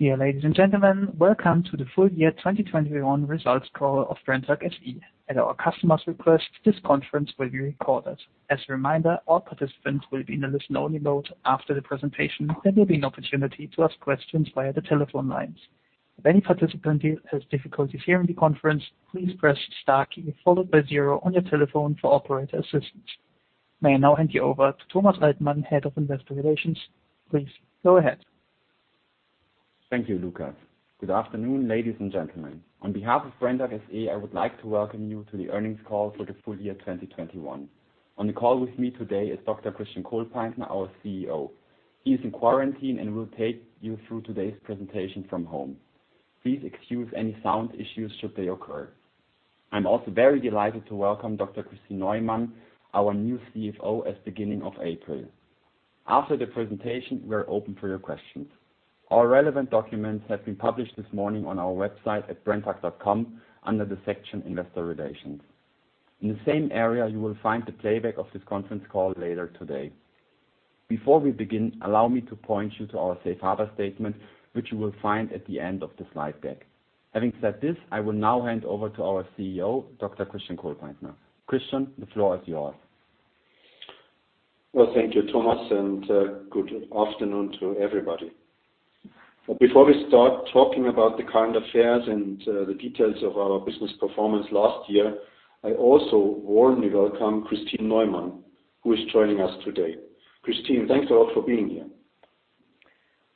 Dear ladies and gentlemen, welcome to the full year 2021 results call of Brenntag SE. At our customers' request, this conference will be recorded. As a reminder, all participants will be in a listen-only mode after the presentation. There will be an opportunity to ask questions via the telephone lines. If any participant has difficulty hearing the conference, please press star key followed by zero on your telephone for operator assistance. May I now hand you over to Thomas Altmann, Head of Investor Relations. Please go ahead. Thank you, Lucas. Good afternoon, ladies and gentlemen. On behalf of Brenntag SE, I would like to welcome you to the earnings call for the full year 2021. On the call with me today is Dr. Christian Kohlpaintner, our CEO. He is in quarantine and will take you through today's presentation from home. Please excuse any sound issues should they occur. I'm also very delighted to welcome Dr. Kristin Neumann, our new CFO as of the beginning of April. After the presentation, we are open for your questions. All relevant documents have been published this morning on our website at brenntag.com under the section Investor Relations. In the same area, you will find the playback of this conference call later today. Before we begin, allow me to point you to our safe harbor statement, which you will find at the end of the slide deck. Having said this, I will now hand over to our CEO, Dr. Christian Kohlpaintner. Christian, the floor is yours. Well, thank you, Thomas, and good afternoon to everybody. Before we start talking about the current affairs and the details of our business performance last year, I also warmly welcome Kristin Neumann, who is joining us today. Kristin, thanks a lot for being here.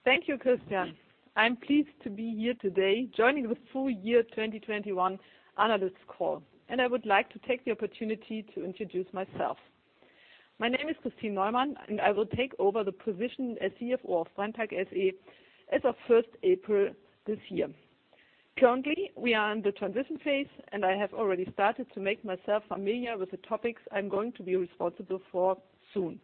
Thank you, Christian. I'm pleased to be here today, joining the full year 2021 analysts call, and I would like to take the opportunity to introduce myself. My name is Kristin Neumann, and I will take over the position as CFO of Brenntag SE as of April 1 this year. Currently, we are in the transition phase, and I have already started to make myself familiar with the topics I'm going to be responsible for soon.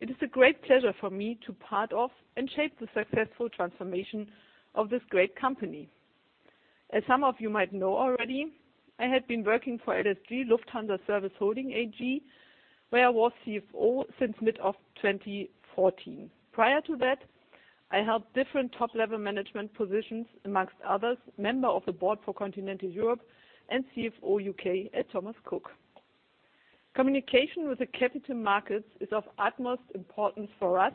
It is a great pleasure for me to be part of and shape the successful transformation of this great company. As some of you might know already, I had been working for LSG Lufthansa Service Holding AG, where I was CFO since mid-2014. Prior to that, I held different top-level management positions, among others, Member of the Board for Continental Europe and CFO UK at Thomas Cook. Communication with the capital markets is of utmost importance for us,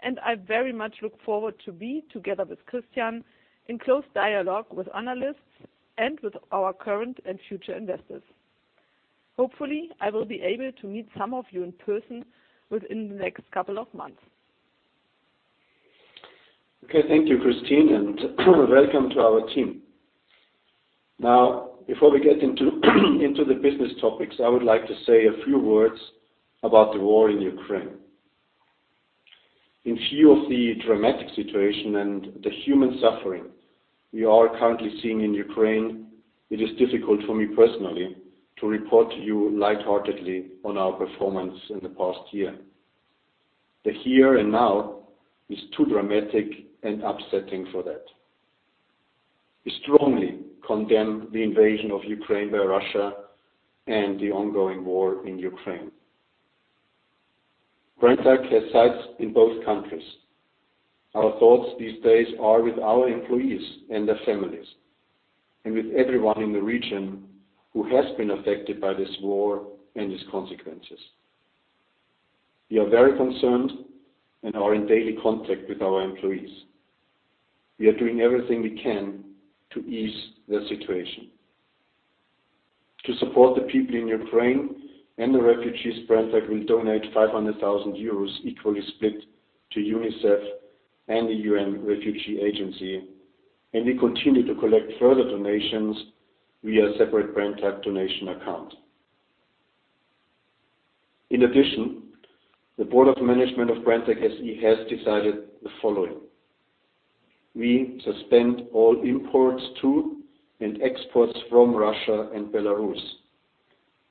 and I very much look forward to be, together with Christian, in close dialogue with analysts and with our current and future investors. Hopefully, I will be able to meet some of you in person within the next couple of months. Okay. Thank you, Kristin, and welcome to our team. Now, before we get into the business topics, I would like to say a few words about the war in Ukraine. In view of the dramatic situation and the human suffering we are currently seeing in Ukraine, it is difficult for me personally to report to you lightheartedly on our performance in the past year. The here and now is too dramatic and upsetting for that. We strongly condemn the invasion of Ukraine by Russia and the ongoing war in Ukraine. Brenntag has sites in both countries. Our thoughts these days are with our employees and their families, and with everyone in the region who has been affected by this war and its consequences. We are very concerned and are in daily contact with our employees. We are doing everything we can to ease the situation. To support the people in Ukraine and the refugees, Brenntag will donate 500,000 euros, equally split to UNICEF and the UN Refugee Agency, and we continue to collect further donations via separate Brenntag donation account. In addition, the Board of Management of Brenntag SE has decided the following. We suspend all imports to and exports from Russia and Belarus.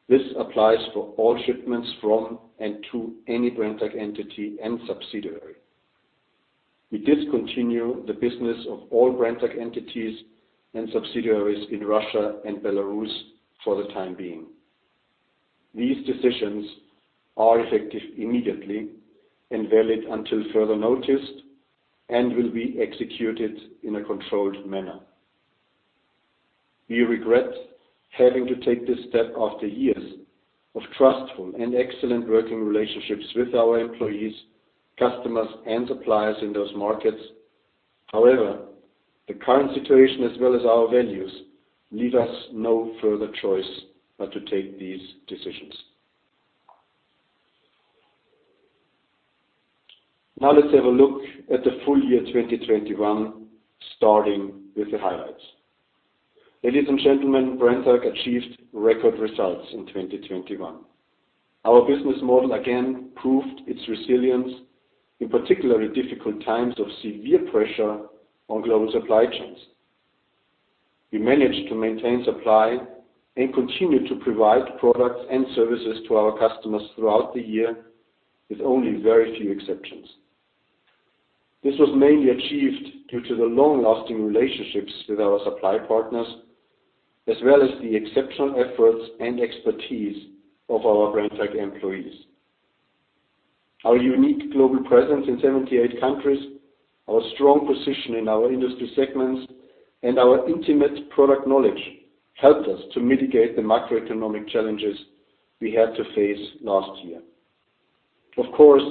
This applies for all shipments from and to any Brenntag entity and subsidiary. We discontinue the business of all Brenntag entities and subsidiaries in Russia and Belarus for the time being. These decisions are effective immediately and valid until further notice and will be executed in a controlled manner. We regret having to take this step after years of trustful and excellent working relationships with our employees, customers, and suppliers in those markets. However, the current situation as well as our values leave us no further choice but to take these decisions. Now let's have a look at the full year 2021, starting with the highlights. Ladies and gentlemen, Brenntag achieved record results in 2021. Our business model again proved its resilience in particularly difficult times of severe pressure on global supply chains. We managed to maintain supply and continued to provide products and services to our customers throughout the year with only very few exceptions. This was mainly achieved due to the long-lasting relationships with our supply partners. As well as the exceptional efforts and expertise of our Brenntag employees. Our unique global presence in 78 countries, our strong position in our industry segments, and our intimate product knowledge helped us to mitigate the macroeconomic challenges we had to face last year. Of course,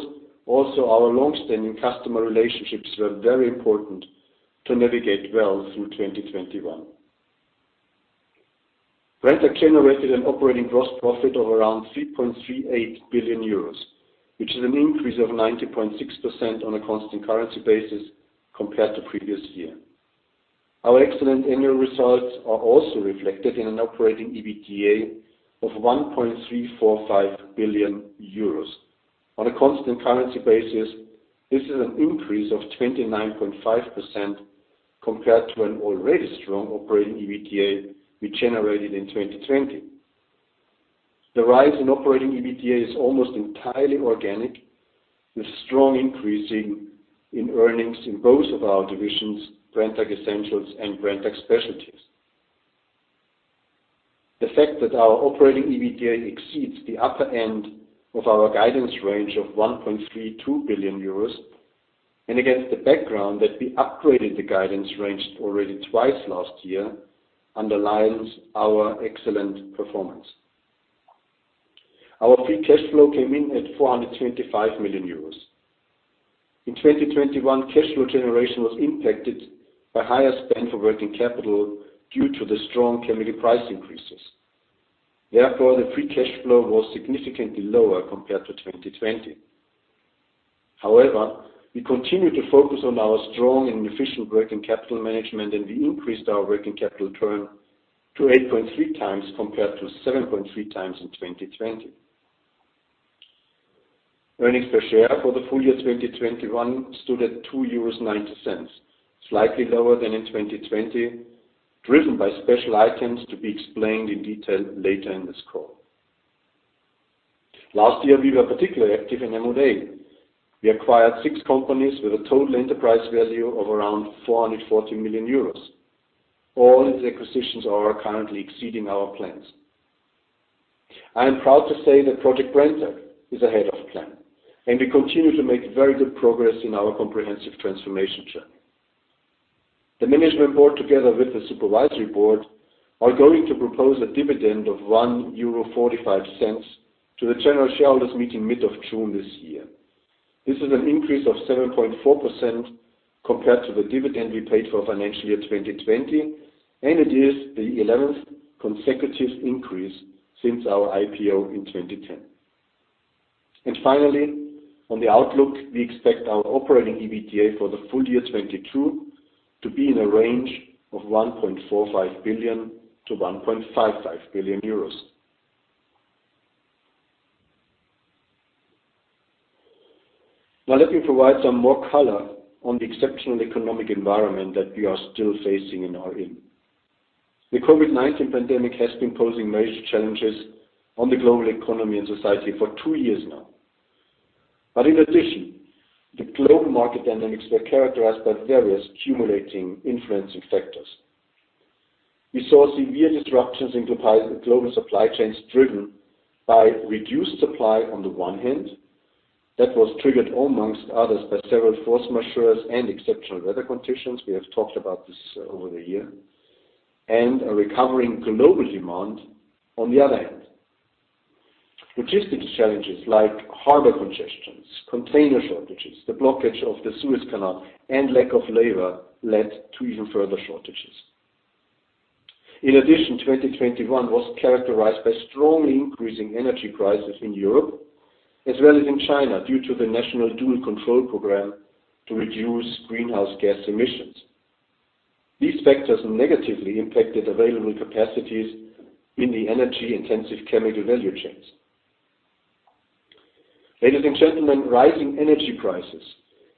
also our long-standing customer relationships were very important to navigate well through 2021. Brenntag generated an operating gross profit of around 3.38 billion euros, which is an increase of 90.6% on a constant currency basis compared to previous year. Our excellent annual results are also reflected in an operating EBITDA of 1.345 billion euros. On a constant currency basis, this is an increase of 29.5% compared to an already strong operating EBITDA we generated in 2020. The rise in operating EBITDA is almost entirely organic, with strong increases in earnings in both of our divisions, Brenntag Essentials and Brenntag Specialties. The fact that our operating EBITDA exceeds the upper end of our guidance range of 1.32 billion euros and against the background that we upgraded the guidance range already twice last year underlines our excellent performance. Our free cash flow came in at 425 million euros. In 2021, cash flow generation was impacted by higher spend for working capital due to the strong chemical price increases. Therefore, the free cash flow was significantly lower compared to 2020. However, we continued to focus on our strong and efficient working capital management, and we increased our working capital turnover to 8.3 times compared to 7.3 times in 2020. Earnings per share for the full year 2021 stood at 2.90 euros, slightly lower than in 2020, driven by special items to be explained in detail later in this call. Last year, we were particularly active in M&A. We acquired six companies with a total enterprise value of around 440 million euros. All these acquisitions are currently exceeding our plans. I am proud to say that Project Brenntag is ahead of plan, and we continue to make very good progress in our comprehensive transformation journey. The management board, together with the supervisory board, are going to propose a dividend of 1.45 euro to the general shareholders meeting mid of June this year. This is an increase of 7.4% compared to the dividend we paid for financial year 2020, and it is the eleventh consecutive increase since our IPO in 2010. Finally, on the outlook, we expect our operating EBITDA for the full year 2022 to be in a range of 1.45 billion-1.55 billion euros. Now, let me provide some more color on the exceptional economic environment that we are still facing in 2022. The COVID-19 pandemic has been posing major challenges on the global economy and society for two years now. In addition, the global market dynamics were characterized by various cumulative influencing factors. We saw severe disruptions in global supply chains driven by reduced supply on the one hand that was triggered among others by several force majeure and exceptional weather conditions. We have talked about this over the year, and a recovering global demand on the other hand. Logistics challenges like harbor congestions, container shortages, the blockage of the Suez Canal, and lack of labor led to even further shortages. In addition, 2021 was characterized by strongly increasing energy prices in Europe as well as in China, due to the national dual control policy to reduce greenhouse gas emissions. These factors negatively impacted available capacities in the energy-intensive chemical value chains. Ladies and gentlemen, rising energy prices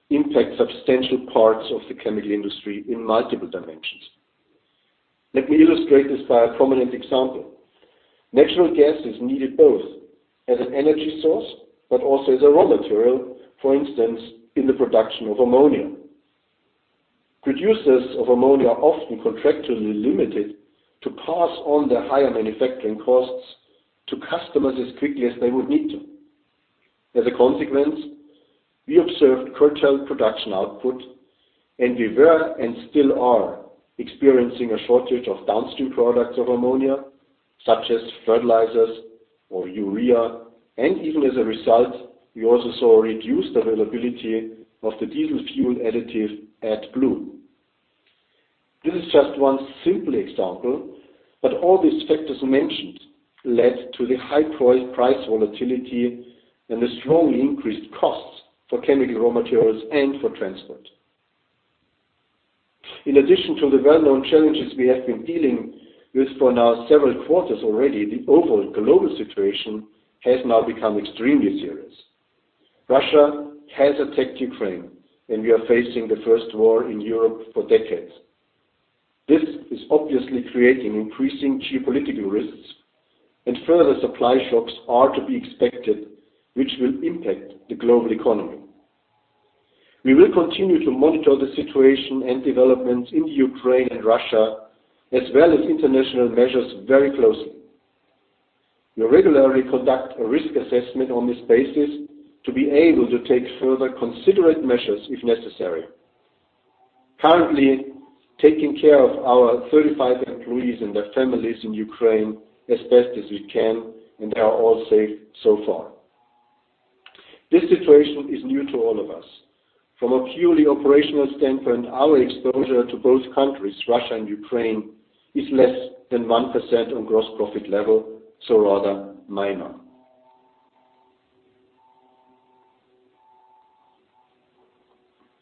impact substantial parts of the chemical industry in multiple dimensions. Let me illustrate this by a prominent example. Natural gas is needed both as an energy source but also as a raw material, for instance, in the production of ammonia. Producers of ammonia are often contractually limited to pass on their higher manufacturing costs to customers as quickly as they would need to. As a consequence, we observed curtailed production output, and we were and still are experiencing a shortage of downstream products of ammonia, such as fertilizers or urea, and even as a result, we also saw a reduced availability of the diesel fuel additive AdBlue. This is just one simple example, but all these factors mentioned led to the high price volatility and the strongly increased costs for chemical raw materials and for transport. In addition to the well-known challenges we have been dealing with for now several quarters already, the overall global situation has now become extremely serious. Russia has attacked Ukraine, and we are facing the first war in Europe for decades. This is obviously creating increasing geopolitical risks and further supply shocks are to be expected, which will impact the global economy. We will continue to monitor the situation and developments in Ukraine and Russia, as well as international measures very closely. We regularly conduct a risk assessment on this basis to be able to take further considerate measures if necessary. We are currently taking care of our 35 employees and their families in Ukraine as best as we can, and they are all safe so far. This situation is new to all of us. From a purely operational standpoint, our exposure to both countries, Russia and Ukraine, is less than 1% on gross profit level, so rather minor.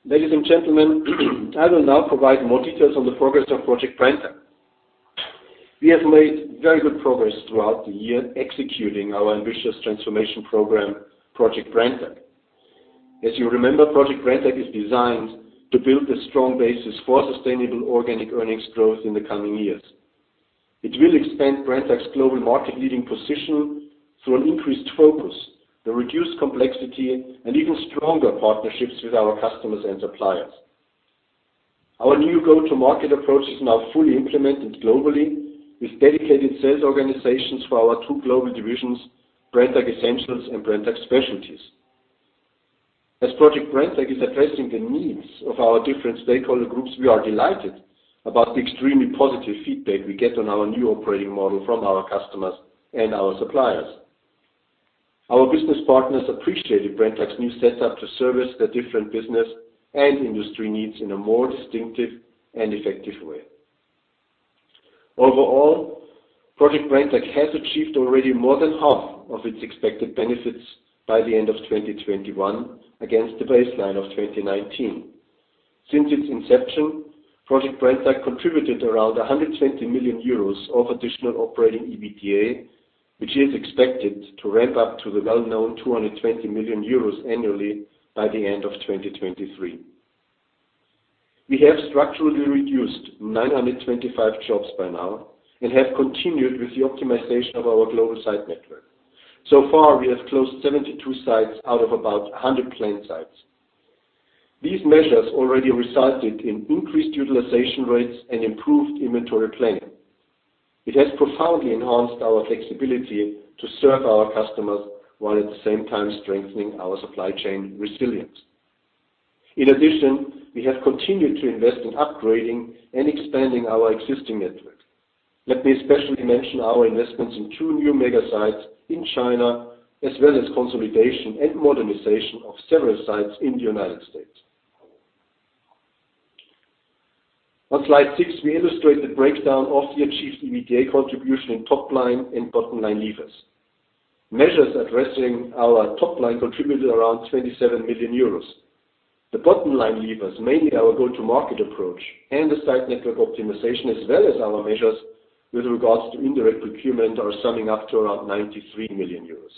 Ladies and gentlemen, I will now provide more details on the progress of Project Brenntag. We have made very good progress throughout the year executing our ambitious transformation program, Project Brenntag. As you remember, Project Brenntag is designed to build a strong basis for sustainable organic earnings growth in the coming years. It will expand Brenntag's global market-leading position through an increased focus, the reduced complexity, and even stronger partnerships with our customers and suppliers. Our new go-to-market approach is now fully implemented globally with dedicated sales organizations for our two global divisions, Brenntag Essentials and Brenntag Specialties. As Project Brenntag is addressing the needs of our different stakeholder groups, we are delighted about the extremely positive feedback we get on our new operating model from our customers and our suppliers. Our business partners appreciated Brenntag's new setup to service their different business and industry needs in a more distinctive and effective way. Overall, Project Brenntag has achieved already more than half of its expected benefits by the end of 2021 against the baseline of 2019. Since its inception, Project Brenntag contributed around 120 million euros of additional operating EBITDA, which is expected to ramp up to the well-known 220 million euros annually by the end of 2023. We have structurally reduced 925 jobs by now and have continued with the optimization of our global site network. So far, we have closed 72 sites out of about 100 planned sites. These measures already resulted in increased utilization rates and improved inventory planning. It has profoundly enhanced our flexibility to serve our customers while at the same time strengthening our supply chain resilience. In addition, we have continued to invest in upgrading and expanding our existing network. Let me especially mention our investments in two new mega sites in China, as well as consolidation and modernization of several sites in the United States. On slide 6, we illustrate the breakdown of the achieved EBITDA contribution in top line and bottom line levers. Measures addressing our top line contributed around 27 million euros. The bottom line levers, mainly our go-to-market approach and the site network optimization, as well as our measures with regards to indirect procurement, are summing up to around 93 million euros.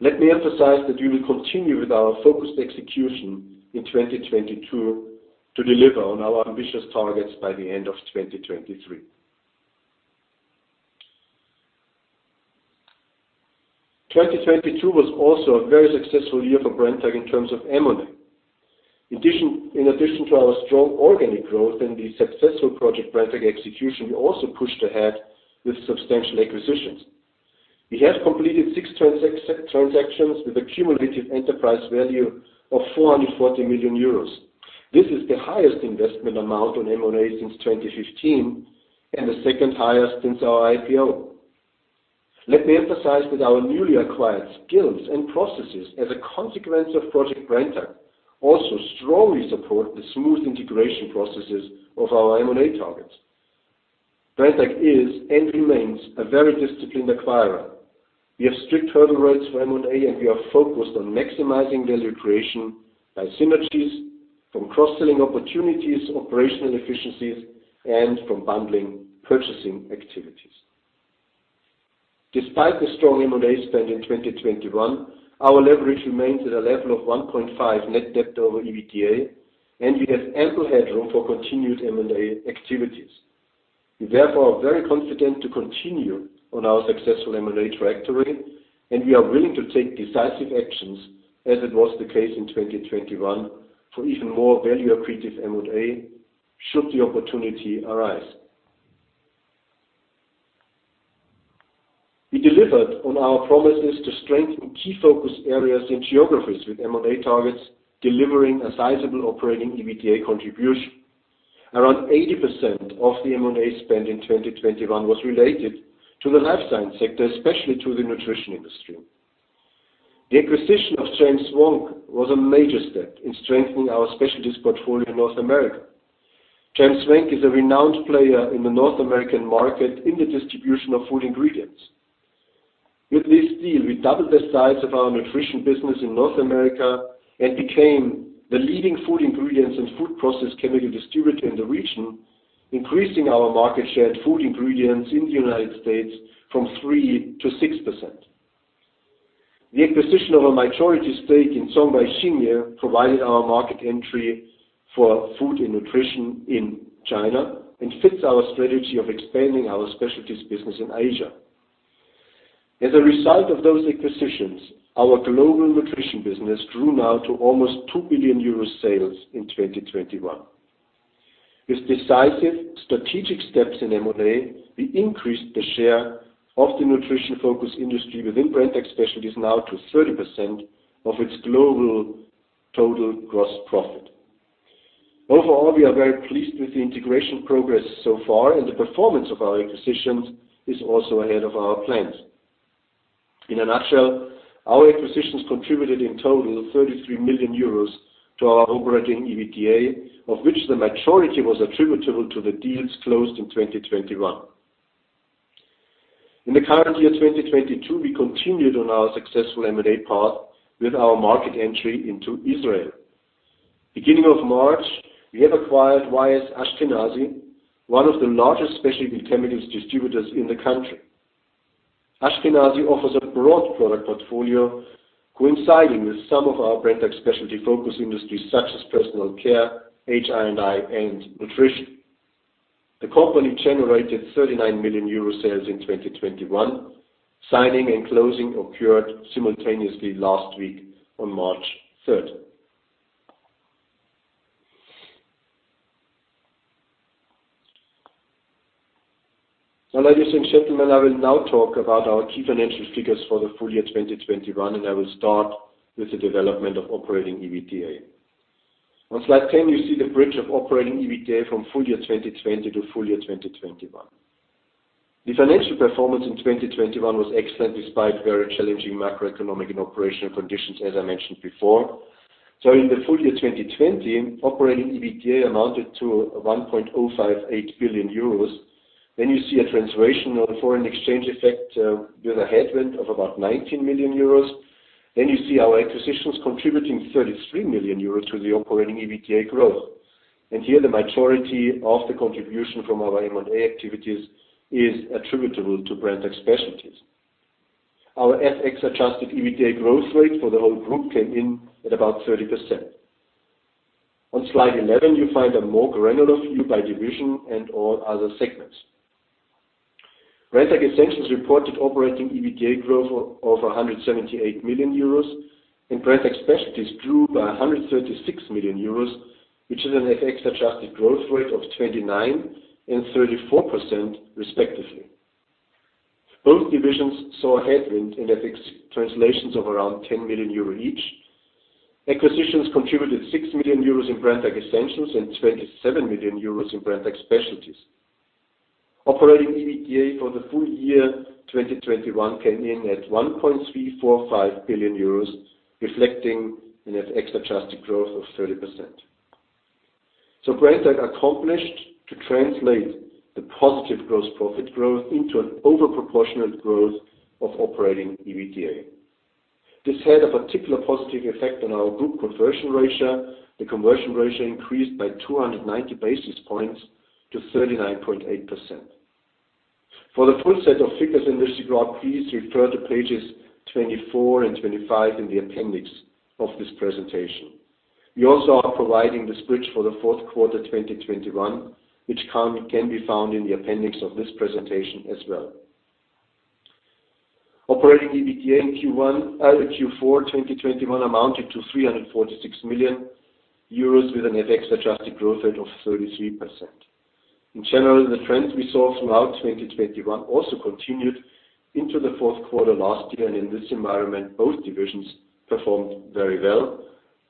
Let me emphasize that we will continue with our focused execution in 2022 to deliver on our ambitious targets by the end of 2023. 2022 was also a very successful year for Brenntag in terms of M&A. In addition to our strong organic growth and the successful Project Brenntag execution, we also pushed ahead with substantial acquisitions. We have completed 6 transactions with accumulated enterprise value of 440 million euros. This is the highest investment amount on M&A since 2015 and the second highest since our IPO. Let me emphasize that our newly acquired skills and processes as a consequence of Project Brenntag also strongly support the smooth integration processes of our M&A targets. Brenntag is and remains a very disciplined acquirer. We have strict hurdle rates for M&A, and we are focused on maximizing value creation by synergies from cross-selling opportunities, operational efficiencies, and from bundling purchasing activities. Despite the strong M&A spend in 2021, our leverage remains at a level of 1.5 net debt over EBITDA, and we have ample headroom for continued M&A activities. We therefore are very confident to continue on our successful M&A trajectory, and we are willing to take decisive actions, as it was the case in 2021, for even more value-accretive M&A should the opportunity arise. We delivered on our promises to strengthen key focus areas and geographies with M&A targets, delivering a sizable operating EBITDA contribution. Around 80% of the M&A spend in 2021 was related to the life science sector, especially to the nutrition industry. The acquisition of JM Swank was a major step in strengthening our Specialties portfolio in North America. JM Swank is a renowned player in the North American market in the distribution of food ingredients. With this deal, we doubled the size of our nutrition business in North America and became the leading food ingredients and food process chemical distributor in the region, increasing our market share in food ingredients in the United States from 3%-6%. The acquisition of a majority stake in Zhongbai Xingye provided our market entry for food and nutrition in China and fits our strategy of expanding our specialties business in Asia. As a result of those acquisitions, our global nutrition business grew now to almost 2 billion euro sales in 2021. With decisive strategic steps in M&A, we increased the share of the nutrition-focused industry within Brenntag Specialties now to 30% of its global total gross profit. Overall, we are very pleased with the integration progress so far, and the performance of our acquisitions is also ahead of our plans. In a nutshell, our acquisitions contributed in total 33 million euros to our operating EBITDA, of which the majority was attributable to the deals closed in 2021. In the current year, 2022, we continued on our successful M&A path with our market entry into Israel. Beginning of March, we have acquired Y.S. one of the largest specialty chemicals distributors in the country. offers a broad product portfolio coinciding with some of our Brenntag Specialties focus industries such as personal care, HI&I, and nutrition. The company generated 39 million euro sales in 2021, signing and closing occurred simultaneously last week on March 3. Now, ladies and gentlemen, I will now talk about our key financial figures for the full year 2021, and I will start with the development of operating EBITDA. On slide 10, you see the bridge of operating EBITDA from full year 2020 to full year 2021. The financial performance in 2021 was excellent despite very challenging macroeconomic and operational conditions, as I mentioned before. In the full year 2020, operating EBITDA amounted to 1.058 billion euros. You see a translation of foreign exchange effect with a headwind of about 19 million euros. You see our acquisitions contributing 33 million euros to the operating EBITDA growth. Here, the majority of the contribution from our M&A activities is attributable to Brenntag Specialties. Our FX-adjusted EBITDA growth rate for the whole group came in at about 30%. On slide 11, you find a more granular view by division and all other segments. Brenntag Essentials reported operating EBITDA growth of over 178 million euros, and Brenntag Specialties grew by 136 million euros, which is an FX-adjusted growth rate of 29% and 34% respectively. Both divisions saw a headwind in FX translations of around 10 million euro each. Acquisitions contributed 6 million euros in Brenntag Essentials and 27 million euros in Brenntag Specialties. Operating EBITDA for the full year 2021 came in at 1.345 billion euros, reflecting an FX-adjusted growth of 30%. Brenntag accomplished to translate the positive gross profit growth into an over proportionate growth of operating EBITDA. This had a particular positive effect on our group conversion ratio. The conversion ratio increased by 290 basis points to 39.8%. For the full set of figures in this graph, please refer to pages 24 and 25 in the appendix of this presentation. We also are providing this bridge for the Q4 2021, which can be found in the appendix of this presentation as well. Operating EBITDA in Q4 2021 amounted to 346 million euros with an FX-adjusted growth rate of 33%. In general, the trends we saw throughout 2021 also continued into the Q4 last year. In this environment, both divisions performed very well.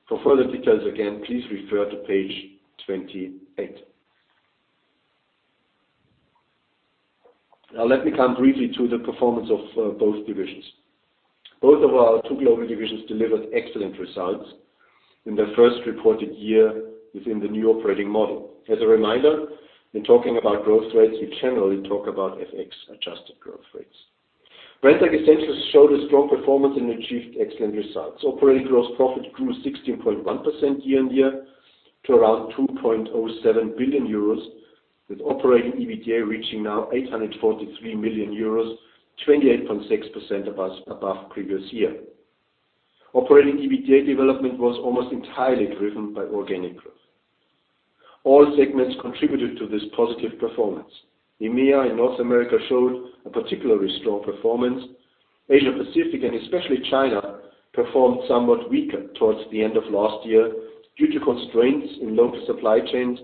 For further details, again, please refer to page 28. Now, let me come briefly to the performance of both divisions. Both of our two global divisions delivered excellent results in their first reported year within the new operating model. As a reminder, in talking about growth rates, we generally talk about FX-adjusted growth rates. Brenntag Essentials showed a strong performance and achieved excellent results. Operating gross profit grew 16.1% year-on-year to around 2.07 billion euros, with operating EBITDA reaching 843 million euros, 28.6% above previous year. Operating EBITDA development was almost entirely driven by organic growth. All segments contributed to this positive performance. EMEA and North America showed a particularly strong performance. Asia Pacific and especially China performed somewhat weaker towards the end of last year due to constraints in local supply chains,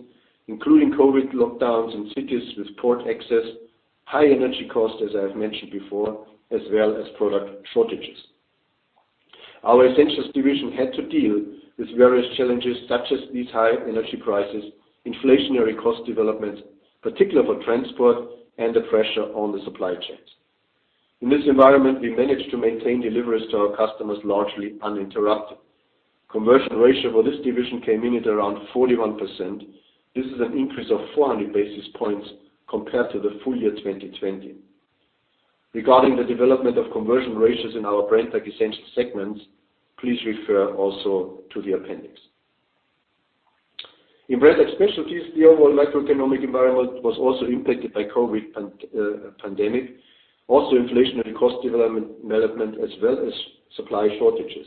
including COVID-19 lockdowns in cities with port access, high energy costs, as I have mentioned before, as well as product shortages. Our Brenntag Essentials division had to deal with various challenges such as these high energy prices, inflationary cost development, particularly for transport, and the pressure on the supply chains. In this environment, we managed to maintain deliveries to our customers largely uninterrupted. Conversion ratio for this division came in at around 41%. This is an increase of 400 basis points compared to the full year 2020. Regarding the development of conversion ratios in our Brenntag Essentials segments, please refer also to the appendix. In Brenntag Specialties, the overall macroeconomic environment was also impacted by COVID pandemic, also inflationary cost development as well as supply shortages.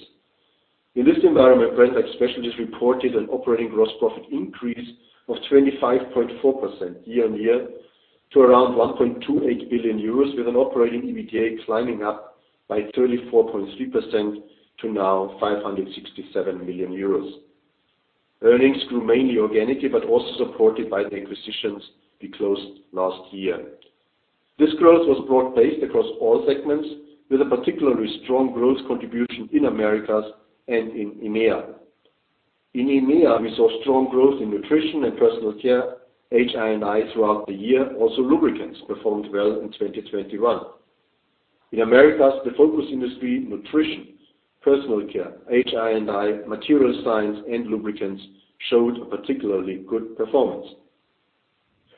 In this environment, Brenntag Specialties reported an operating gross profit increase of 25.4% year-on-year to around 1.28 billion euros, with an operating EBITDA climbing up by 34.3% to now 567 million euros. Earnings grew mainly organically but also supported by the acquisitions we closed last year. This growth was broad-based across all segments, with a particularly strong growth contribution in Americas and in EMEA. In EMEA, we saw strong growth in nutrition and personal care, HI&I throughout the year. Also, lubricants performed well in 2021. In Americas, the focus industry, nutrition, personal care, HI&I, Material Science, and lubricants showed a particularly good performance.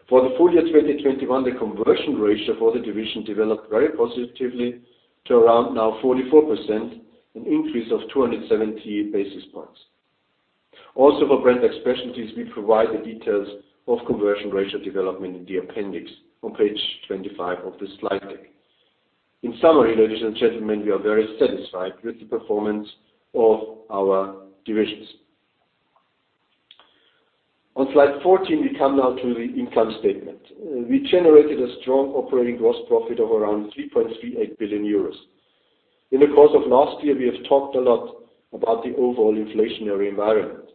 For the full year 2021, the conversion ratio for the division developed very positively to around now 44%, an increase of 270 basis points. Also, for Brenntag Specialties, we provide the details of conversion ratio development in the appendix on page 25 of the slide deck. In summary, ladies and gentlemen, we are very satisfied with the performance of our divisions. On slide 14, we come now to the income statement. We generated a strong operating gross profit of around 3.38 billion euros. In the course of last year, we have talked a lot about the overall inflationary environment.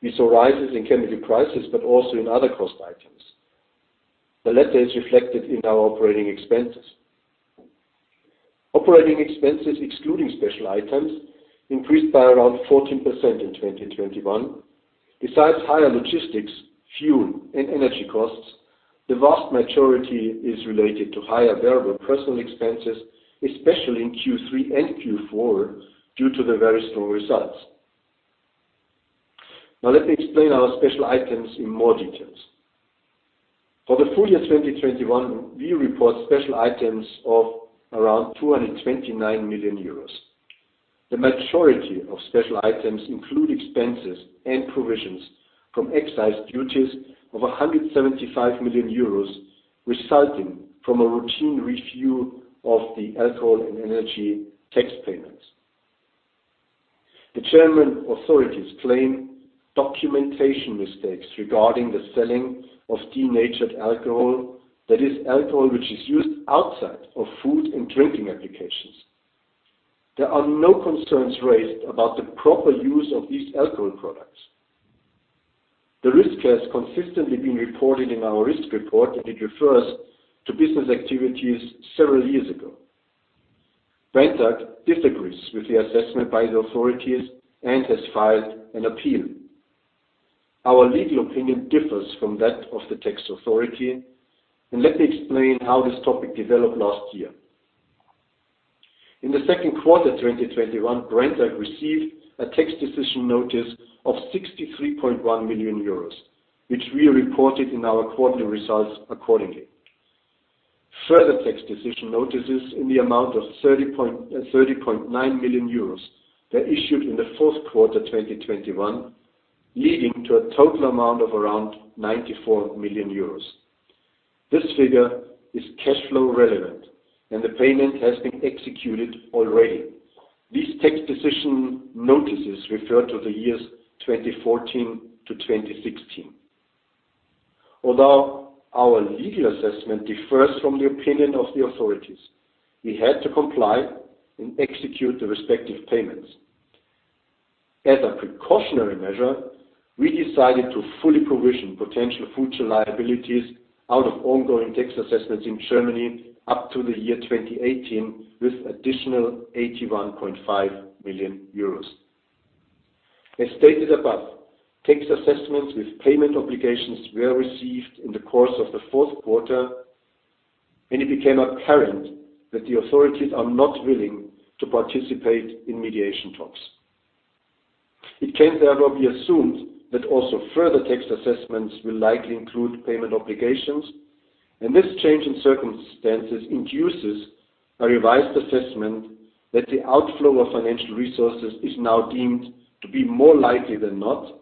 We saw rises in chemical prices but also in other cost items. The latter is reflected in our operating expenses. Operating expenses, excluding special items, increased by around 14% in 2021. Besides higher logistics, fuel, and energy costs, the vast majority is related to higher variable personal expenses, especially in Q3 and Q4 due to the very strong results. Now let me explain our special items in more details. For the full year 2021, we report special items of around 229 million euros. The majority of special items include expenses and provisions from excise duties of 175 million euros resulting from a routine review of the alcohol and energy tax payments. The German authorities claim documentation mistakes regarding the selling of denatured alcohol. That is alcohol which is used outside of food and drinking applications. There are no concerns raised about the proper use of these alcohol products. The risk has consistently been reported in our risk report, and it refers to business activities several years ago. Brenntag disagrees with the assessment by the authorities and has filed an appeal. Our legal opinion differs from that of the tax authority. Let me explain how this topic developed last year. In the Q2 2021, Brenntag received a tax decision notice of 63.1 million euros, which we reported in our quarterly results accordingly. Further tax decision notices in the amount of 30.9 million euros were issued in the Q4 2021, leading to a total amount of around 94 million euros. This figure is cash flow relevant, and the payment has been executed already. These tax decision notices refer to the years 2014 to 2016. Although our legal assessment differs from the opinion of the authorities, we had to comply and execute the respective payments. As a precautionary measure, we decided to fully provision potential future liabilities out of ongoing tax assessments in Germany up to the year 2018 with additional 81.5 million euros. As stated above, tax assessments with payment obligations were received in the course of the Q4, and it became apparent that the authorities are not willing to participate in mediation talks. It came therefore, we assumed that also further tax assessments will likely include payment obligations, and this change in circumstances induces a revised assessment that the outflow of financial resources is now deemed to be more likely than not,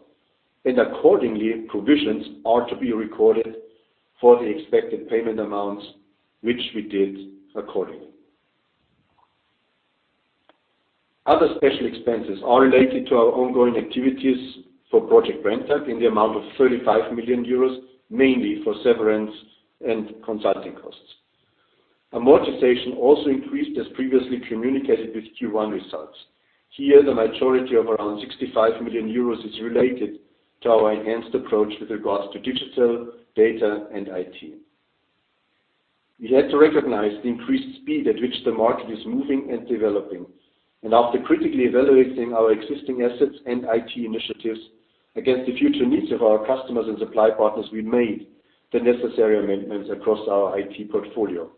and accordingly, provisions are to be recorded for the expected payment amounts, which we did accordingly. Other special expenses are related to our ongoing activities for Project Brenntag in the amount of 35 million euros, mainly for severance and consulting costs. Amortization also increased as previously communicated with Q1 results. Here, the majority of around 65 million euros is related to our enhanced approach with regards to digital, data, and IT. We had to recognize the increased speed at which the market is moving and developing. After critically evaluating our existing assets and IT initiatives against the future needs of our customers and supply partners, we made the necessary amendments across our IT portfolio.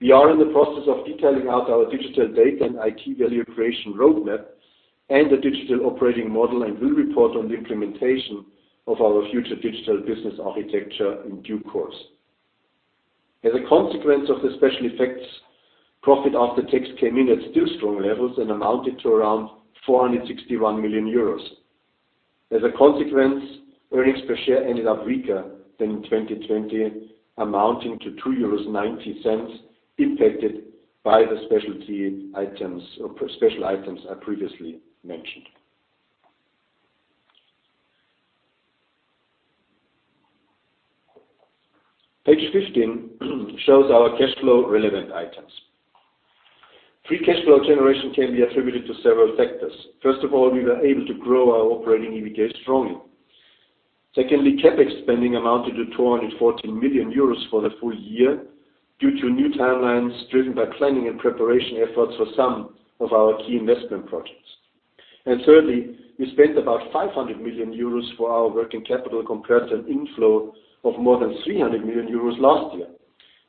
We are in the process of detailing out our digital data and IT value creation roadmap and the digital operating model, and will report on the implementation of our future digital business architecture in due course. As a consequence of the special effects, profit after tax came in at still strong levels and amounted to around 461 million euros. As a consequence, earnings per share ended up weaker than in 2020, amounting to 2.90 euros, impacted by the specialty items or special items I previously mentioned. Page 15 shows our cash flow relevant items. Free cash flow generation can be attributed to several factors. First of all, we were able to grow our operating EBITDA strongly. Secondly, CapEx spending amounted to 214 million euros for the full year due to new timelines driven by planning and preparation efforts for some of our key investment projects. Thirdly, we spent about 500 million euros for our working capital compared to an inflow of more than 300 million euros last year,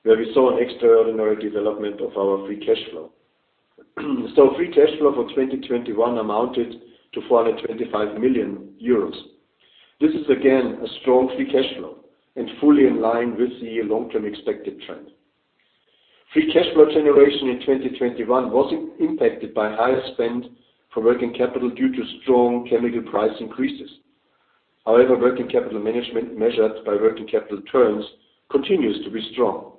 where we saw an extraordinary development of our free cash flow. Free cash flow for 2021 amounted to 425 million euros. This is again a strong free cash flow and fully in line with the long-term expected trend. Free cash flow generation in 2021 was impacted by higher spend for working capital due to strong chemical price increases. However, working capital management measured by working capital terms continues to be strong.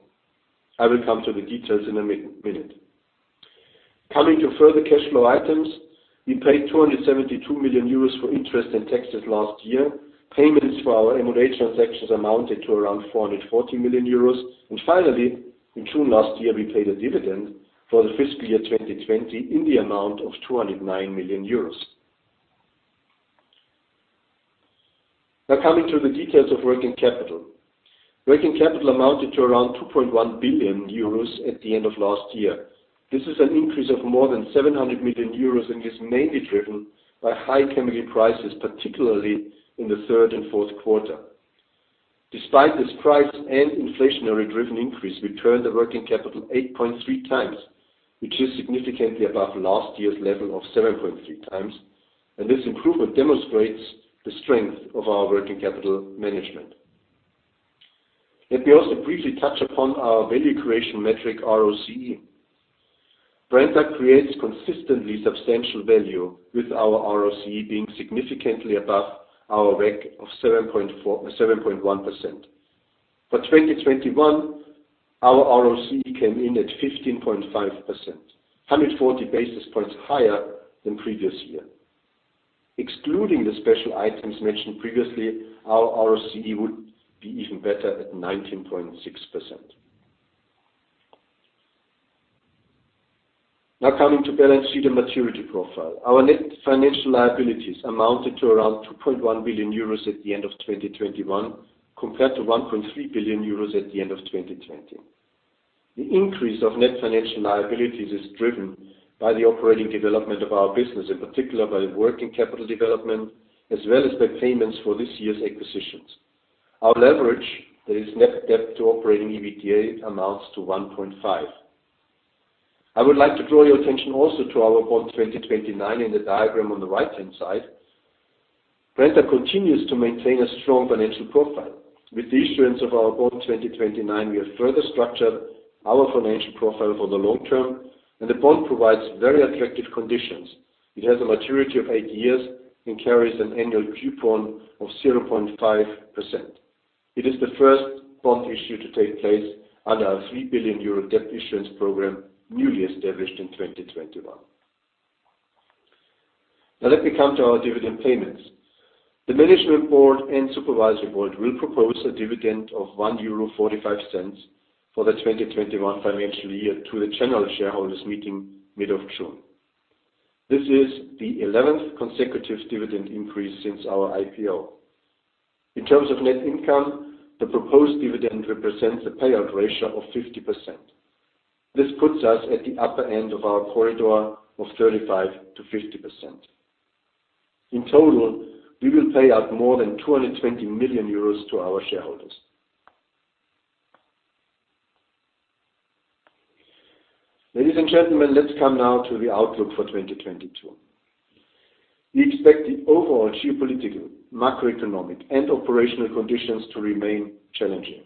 I will come to the details in a minute. Coming to further cash flow items, we paid 272 million euros for interest and taxes last year. Payments for our M&A transactions amounted to around 440 million euros. Finally, in June last year, we paid a dividend for the fiscal year 2020 in the amount of 209 million euros. Now, coming to the details of working capital. Working capital amounted to around 2.1 billion euros at the end of last year. This is an increase of more than 700 million euros and is mainly driven by high chemical prices, particularly in the third and Q4. Despite this price and inflationary-driven increase, we turned the working capital 8.3 times, which is significantly above last year's level of 7.3 times. This improvement demonstrates the strength of our working capital management. Let me also briefly touch upon our value creation metric, ROCE. Brenntag creates consistently substantial value with our ROCE being significantly above our WACC of 7.1%. For 2021, our ROCE came in at 15.5%, 140 basis points higher than previous year. Excluding the special items mentioned previously, our ROCE would be even better at 19.6%. Now, coming to balance sheet and maturity profile. Our net financial liabilities amounted to around 2.1 billion euros at the end of 2021 compared to 1.3 billion euros at the end of 2020. The increase of net financial liabilities is driven by the operating development of our business, in particular by working capital development, as well as the payments for this year's acquisitions. Our leverage, that is net debt to operating EBITDA, amounts to 1.5. I would like to draw your attention also to our Bond 2029 in the diagram on the right-hand side. Brenntag continues to maintain a strong financial profile. With the issuance of our Bond 2029, we have further structured our financial profile for the long term, and the bond provides very attractive conditions. It has a maturity of 8 years and carries an annual coupon of 0.5%. It is the first bond issue to take place under our 3 billion euro Debt Issuance Programme, newly established in 2021. Now, let me come to our dividend payments. The Management Board and Supervisory Board will propose a dividend of 1.45 euro for the 2021 financial year to the general shareholders meeting mid of June. This is the 11th consecutive dividend increase since our IPO. In terms of net income, the proposed dividend represents a payout ratio of 50%. This puts us at the upper end of our corridor of 35%-50%. In total, we will pay out more than 220 million euros to our shareholders. Ladies and gentlemen, let's come now to the outlook for 2022. We expect the overall geopolitical, macroeconomic, and operational conditions to remain challenging.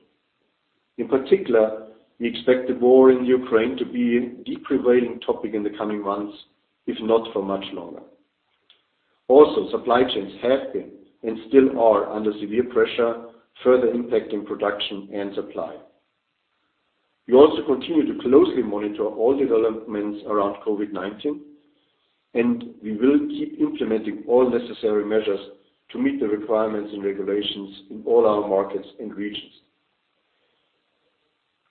In particular, we expect the war in Ukraine to be a deeply prevailing topic in the coming months, if not for much longer. Also, supply chains have been and still are under severe pressure, further impacting production and supply. We also continue to closely monitor all developments around COVID-19, and we will keep implementing all necessary measures to meet the requirements and regulations in all our markets and regions.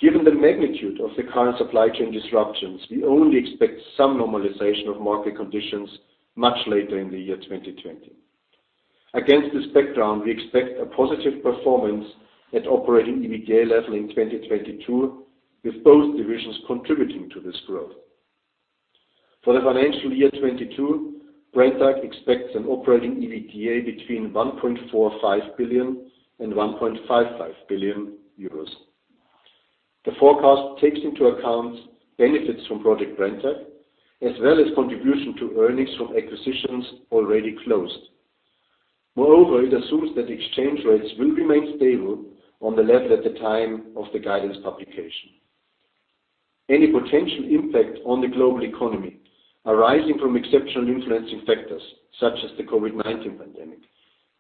Given the magnitude of the current supply chain disruptions, we only expect some normalization of market conditions much later in the year 2022. Against this background, we expect a positive performance at operating EBITDA level in 2022, with both divisions contributing to this growth. For the financial year 2022, Brenntag expects an operating EBITDA between 1.45 billion and 1.55 billion euros. The forecast takes into account benefits from Project Brenntag, as well as contribution to earnings from acquisitions already closed. Moreover, it assumes that exchange rates will remain stable on the level at the time of the guidance publication. Any potential impact on the global economy arising from exceptional influencing factors such as the COVID-19 pandemic,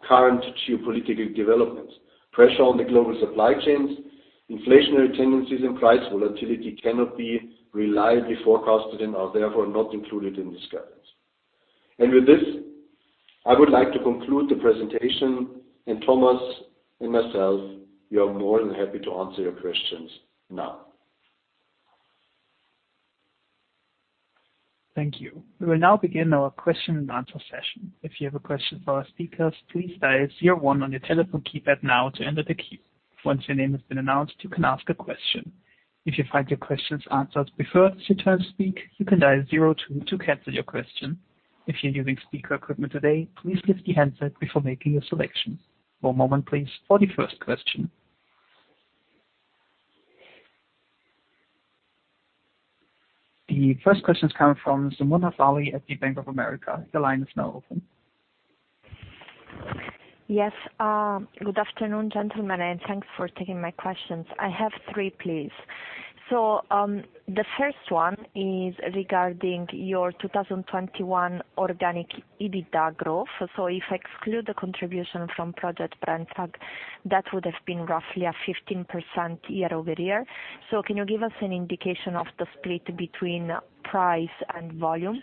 current geopolitical developments, pressure on the global supply chains, inflationary tendencies and price volatility cannot be reliably forecasted and are therefore not included in this guidance. With this, I would like to conclude the presentation and Thomas and myself, we are more than happy to answer your questions now. Thank you. We will now begin our question and answer session. If you have a question for our speakers, please dial zero one on your telephone keypad now to enter the queue. Once your name has been announced, you can ask a question. If you find your questions answered before it's your turn to speak, you can dial zero two to cancel your question. If you're using speaker equipment today, please lift the handset before making your selection. One moment please for the first question. The first question is coming from Suhasini Varanasi at Bank of America. Your line is now open. Yes. Good afternoon, gentlemen, and thanks for taking my questions. I have three, please. The first one is regarding your 2021 organic EBITDA growth. If I exclude the contribution from Project Brenntag, that would have been roughly a 15% year-over-year. Can you give us an indication of the split between price and volume?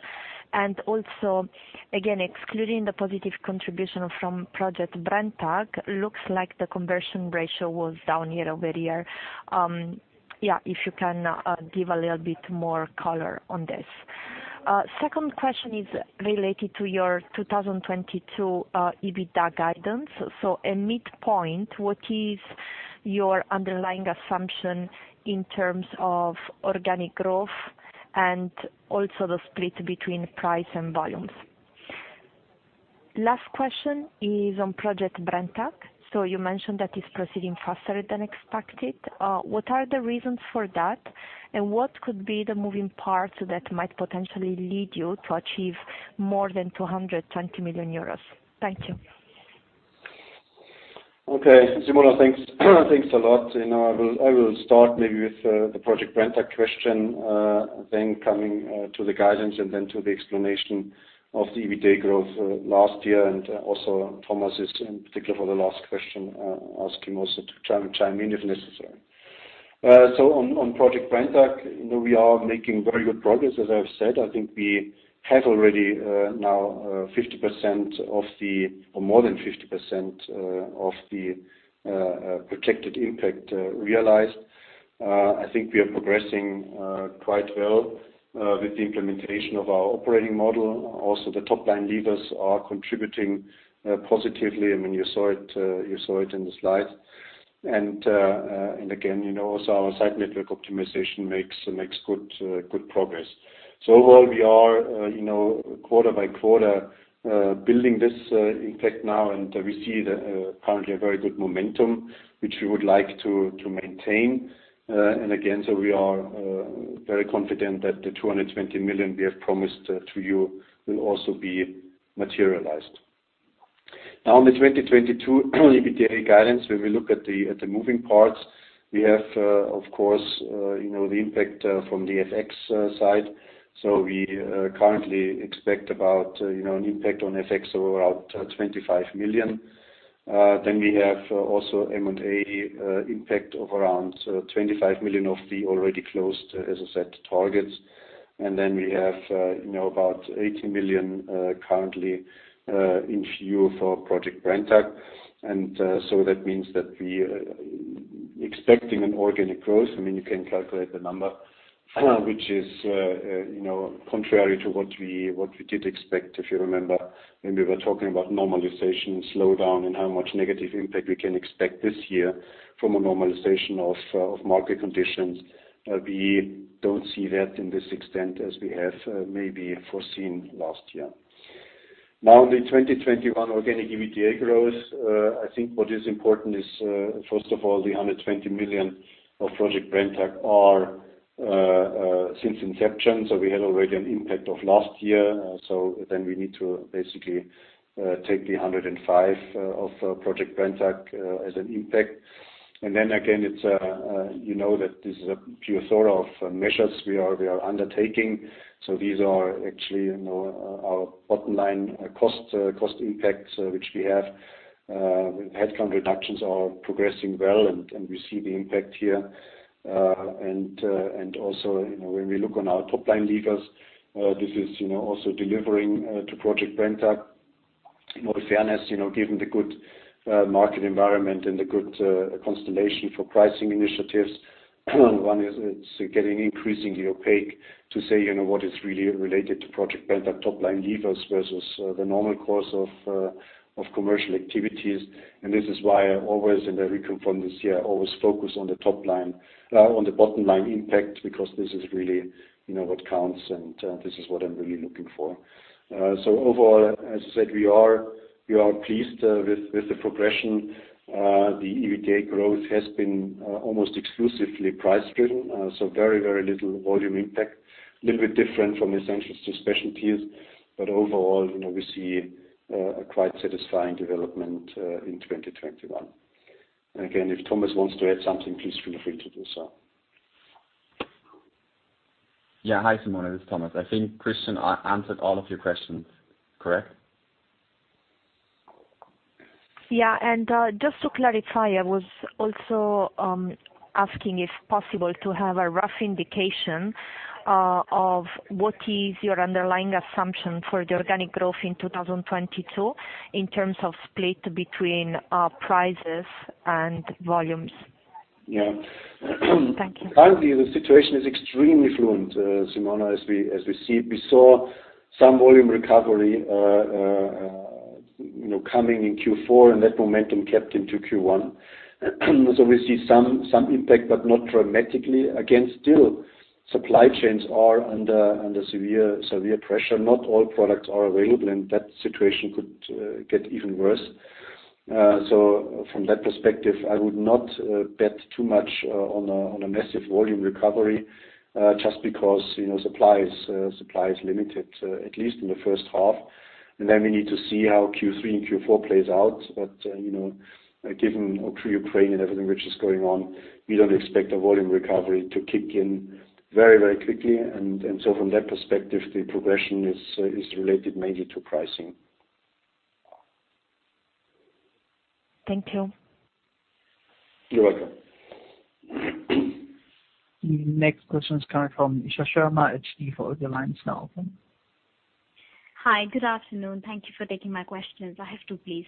And also again, excluding the positive contribution from Project Brenntag, looks like the conversion ratio was down year-over-year. Yeah, if you can give a little bit more color on this. Second question is related to your 2022 EBITDA guidance. A midpoint, what is your underlying assumption in terms of organic growth and also the split between price and volumes? Last question is on Project Brenntag. You mentioned that it's proceeding faster than expected. What are the reasons for that? What could be the moving parts that might potentially lead you to achieve more than 220 million euros? Thank you. Okay. Suhasini Varanasi, thanks a lot. You know, I will start maybe with the Project Brenntag question, then to the guidance and then to the explanation of the EBITDA growth last year and also Thomas in particular for the last question, ask him also to chime in if necessary. On Project Brenntag, you know, we are making very good progress. As I've said, I think we have already now 50% or more than 50% of the projected impact realized. I think we are progressing quite well with the implementation of our operating model. Also, the top line levers are contributing positively. I mean, you saw it in the slide. You know, also our site network optimization makes good progress. Overall, we are, you know, quarter by quarter, building this impact now, and we see currently a very good momentum, which we would like to maintain. We are very confident that the 220 million we have promised to you will also be materialized. Now on the 2022 EBITDA guidance, when we look at the moving parts, we have, of course, you know, the impact from the FX side. We currently expect about, you know, an impact on FX of around 25 million. Then we have also M&A impact of around 25 million of the already closed, as I said, targets. Then we have, you know, about 80 million currently in view for Project Brenntag. That means that we expecting an organic growth. I mean, you can calculate the number which is, you know, contrary to what we did expect, if you remember, when we were talking about normalization slowdown and how much negative impact we can expect this year from a normalization of market conditions. We don't see that in this extent as we have maybe foreseen last year. Now on the 2021 organic EBITDA growth, I think what is important is, first of all, the 120 million of Project Brenntag are since inception. We had already an impact of last year. We need to basically take the 105 of Project Brenntag as an impact. It's you know that this is a pure sort of measures we are undertaking. These are actually you know our bottom line cost impacts which we have. Headcount reductions are progressing well and we see the impact here. Also you know when we look on our top line levers this is you know also delivering to Project Brenntag. In all fairness you know given the good market environment and the good constellation for pricing initiatives it's getting increasingly opaque to say you know what is really related to Project Brenntag top line levers versus the normal course of commercial activities. This is why I always, in the recap from this year, always focus on the top line, on the bottom line impact, because this is really, you know, what counts, and this is what I'm really looking for. Overall, as I said, we are pleased with the progression. The EBITDA growth has been almost exclusively price driven, so very little volume impact, little bit different from Essentials to Specialties. Overall, you know, we see a quite satisfying development in 2021. Again, if Thomas wants to add something, please feel free to do so. Yeah. Hi, Suhasini Varanasi. This is Thomas Altmann. I think Dr. Christian Kohlpaintner answered all of your questions. Correct? Yeah. Just to clarify, I was also asking if possible to have a rough indication of what is your underlying assumption for the organic growth in 2022 in terms of split between prices and volumes? Yeah. Thank you. Currently, the situation is extremely fluid, Suhasini, as we see. We saw some volume recovery, you know, coming in Q4, and that momentum kept into Q1. We see some impact, but not dramatically. Again, still, supply chains are under severe pressure. Not all products are available, and that situation could get even worse. From that perspective, I would not bet too much on a massive volume recovery just because, you know, supply is limited at least in the first half. We need to see how Q3 and Q4 plays out. You know, given Ukraine and everything which is going on, we don't expect a volume recovery to kick in very quickly. From that perspective, the progression is related mainly to pricing. Thank you. You're welcome. The next question is coming from Isha Sharma at Stifel. Your line is now open. Hi. Good afternoon. Thank you for taking my questions. I have two, please.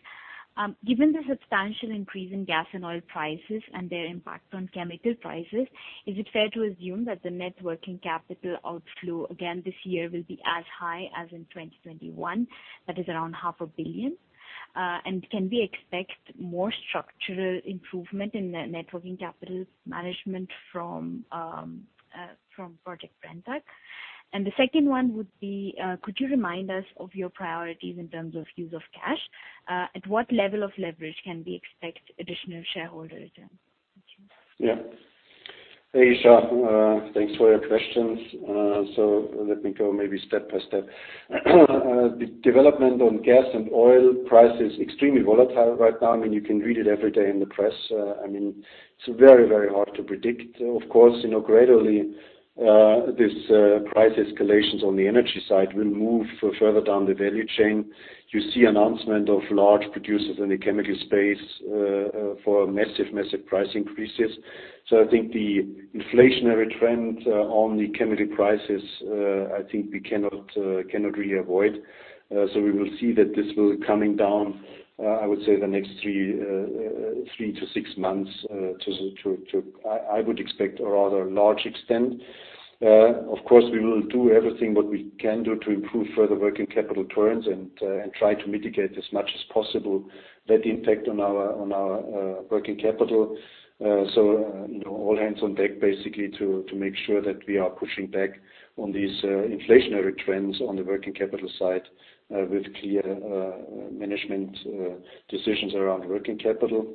Given the substantial increase in gas and oil prices and their impact on chemical prices, is it fair to assume that the net working capital outflow again this year will be as high as in 2021, that is around half a billion EUR? And can we expect more structural improvement in the net working capital management from Project Brenntag? And the second one would be, could you remind us of your priorities in terms of use of cash? At what level of leverage can we expect additional shareholder return? Thank you. Hey, Isha. Thanks for your questions. Let me go maybe step by step. The development on gas and oil price is extremely volatile right now. I mean, you can read it every day in the press. I mean, it's very, very hard to predict. Of course, you know, gradually this price escalations on the energy side will move further down the value chain. You see announcement of large producers in the chemical space for massive price increases. I think the inflationary trend on the chemical prices. I think we cannot really avoid. We will see that this will coming down. I would say the next three to six months. I would expect a rather large extent. Of course, we will do everything what we can do to improve further working capital turnover and try to mitigate as much as possible that impact on our working capital. You know, all hands on deck basically to make sure that we are pushing back on these inflationary trends on the working capital side with clear management decisions around working capital.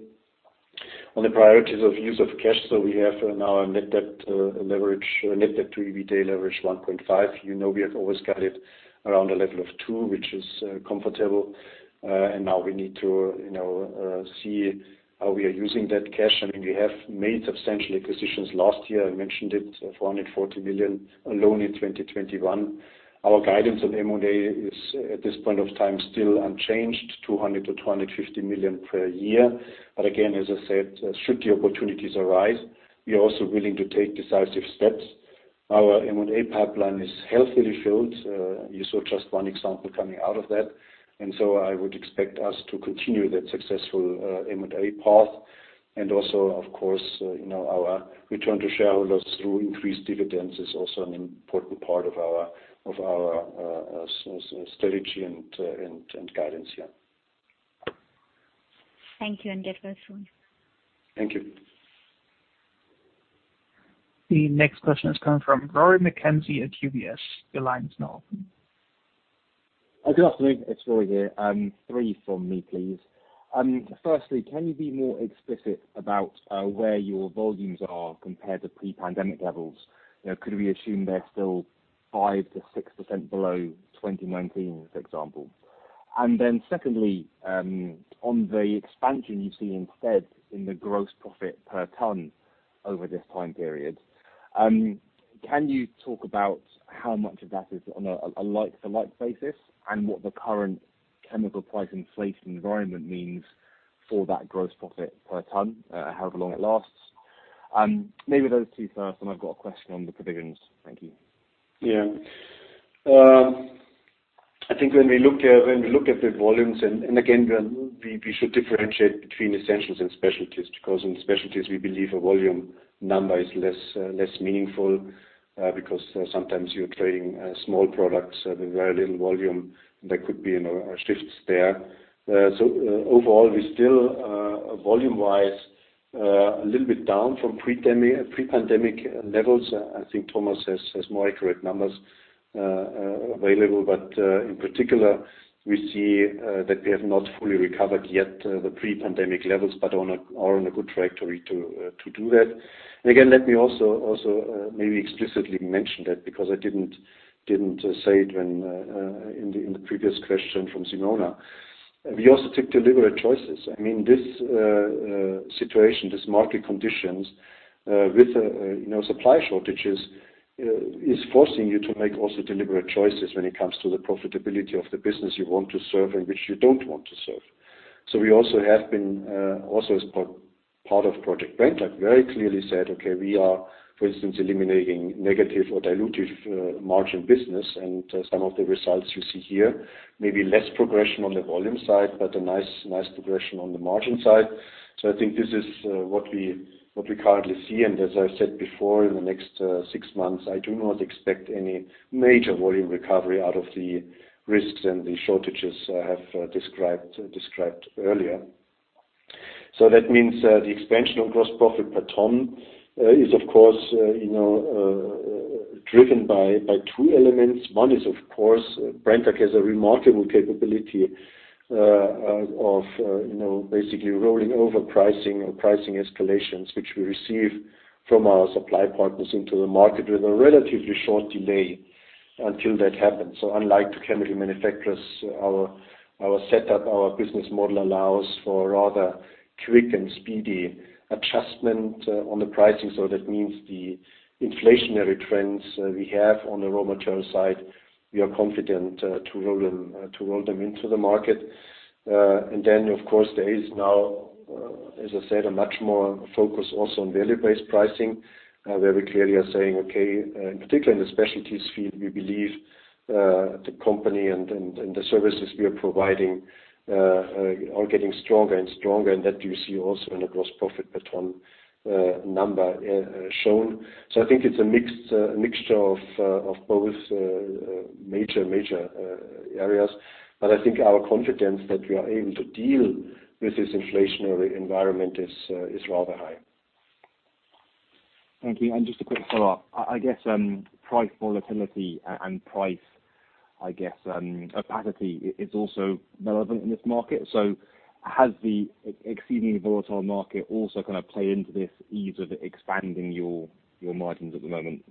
On the priorities of use of cash, so we have now a net debt leverage, net debt to EBITDA leverage of 1.5. You know, we have always guided around a level of 2, which is comfortable. Now we need to, you know, see how we are using that cash. I mean, we have made substantial acquisitions last year. I mentioned it, 440 million alone in 2021. Our guidance on M&A is, at this point of time, still unchanged, 200 million-250 million per year. Again, as I said, should the opportunities arise, we are also willing to take decisive steps. Our M&A pipeline is healthily filled. You saw just one example coming out of that. I would expect us to continue that successful M&A path. Of course, you know, our return to shareholders through increased dividends is also an important part of our strategy and guidance, yeah. Thank you. Get well soon. Thank you. The next question is coming from Rory McKenzie at UBS. Your line is now open. Good afternoon. It's Rory here. Three from me, please. Firstly, can you be more explicit about where your volumes are compared to pre-pandemic levels? You know, could we assume they're still 5%-6% below 2019, for example? Secondly, on the expansion you've seen in the gross profit per ton over this time period, can you talk about how much of that is on a like-for-like basis, and what the current chemical price inflation environment means for that gross profit per ton, however long it lasts? Maybe those two first, then I've got a question on the provisions. Thank you. Yeah. I think when we look at the volumes, and again, we should differentiate between essentials and specialties, because in specialties, we believe a volume number is less meaningful, because sometimes you're trading small products with very little volume. There could be, you know, shifts there. So overall, we're still volume-wise a little bit down from pre-pandemic levels. I think Thomas has more accurate numbers available. In particular, we see that we have not fully recovered yet the pre-pandemic levels, but are on a good trajectory to do that. Again, let me also maybe explicitly mention that, because I didn't say it in the previous question from Suhasini Varanasi. We also took deliberate choices. I mean, this situation, this market conditions with you know supply shortages is forcing you to make also deliberate choices when it comes to the profitability of the business you want to serve and which you don't want to serve. We also have been also as part of Project Brenntag very clearly said, okay, we are, for instance, eliminating negative or dilutive margin business. Some of the results you see here, maybe less progression on the volume side, but a nice progression on the margin side. I think this is what we currently see. As I said before, in the next six months, I do not expect any major volume recovery out of the risks and the shortages I have described earlier. that means the expansion of gross profit per ton is of course you know driven by two elements. One is of course Brenntag has a remarkable capability of you know basically rolling over pricing or pricing escalations which we receive from our supply partners into the market with a relatively short delay until that happens. Unlike the chemical manufacturers our setup our business model allows for rather quick and speedy adjustment on the pricing. that means the inflationary trends we have on the raw material side we are confident to roll them into the market. Of course there is now, as I said, a much more focus also on value-based pricing, where we clearly are saying, okay, in particular in the specialties field, we believe, the company and the services we are providing, are getting stronger and stronger. That you see also in the gross profit per ton number shown. I think it's a mixed, a mixture of both major areas. I think our confidence that we are able to deal with this inflationary environment is rather high. Thank you. Just a quick follow-up. I guess price volatility and price, I guess, opacity is also relevant in this market. Has the exceedingly volatile market also gonna play into this ease of expanding your margins at the moment?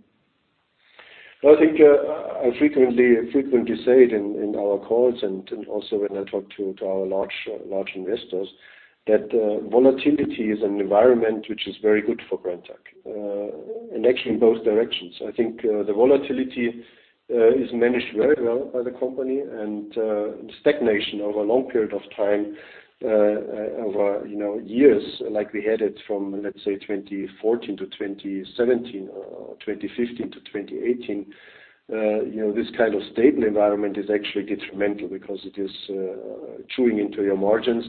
Well, I think I frequently say it in our calls and also when I talk to our large investors, that volatility is an environment which is very good for Brenntag, and actually in both directions. I think the volatility is managed very well by the company, and stagnation over a long period of time, over years like we had it from, let's say, 2014 to 2017 or 2015 to 2018, you know, this kind of stable environment is actually detrimental because it is chewing into your margins.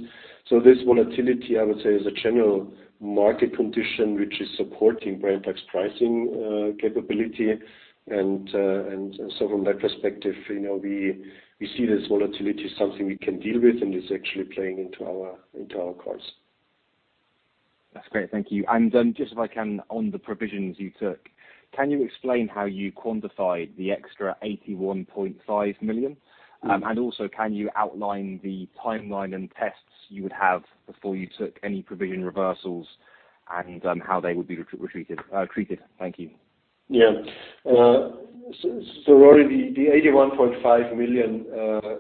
This volatility, I would say, is a general market condition which is supporting Brenntag's pricing capability. From that perspective, you know, we see this volatility as something we can deal with, and it's actually playing into our cards. That's great. Thank you. Just if I can, on the provisions you took, can you explain how you quantified the extra 81.5 million? Mm-hmm. Can you outline the timeline and tests you would have before you took any provision reversals and how they would be treated? Thank you. Rory, the 81.5 million,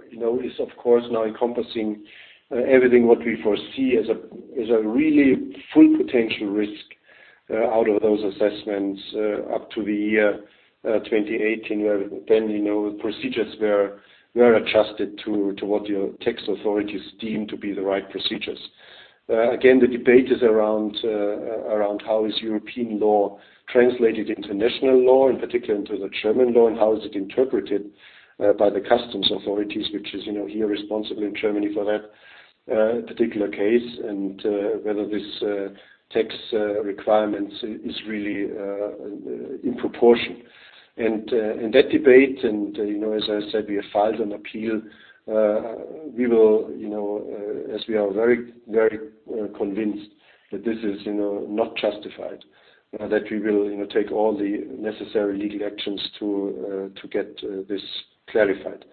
you know, is of course now encompassing everything what we foresee as a really full potential risk out of those assessments up to 2018, where then, you know, procedures were adjusted to what your tax authorities deem to be the right procedures. Again, the debate is around around how is European law translated into national law, in particular into the German law, and how is it interpreted by the customs authorities, which is, you know, here responsible in Germany for that particular case, and whether this tax requirements is really in proportion. In that debate, you know, as I said, we have filed an appeal, we will, you know, as we are very convinced that this is, you know, not justified, that we will, you know, take all the necessary legal actions to get this clarified.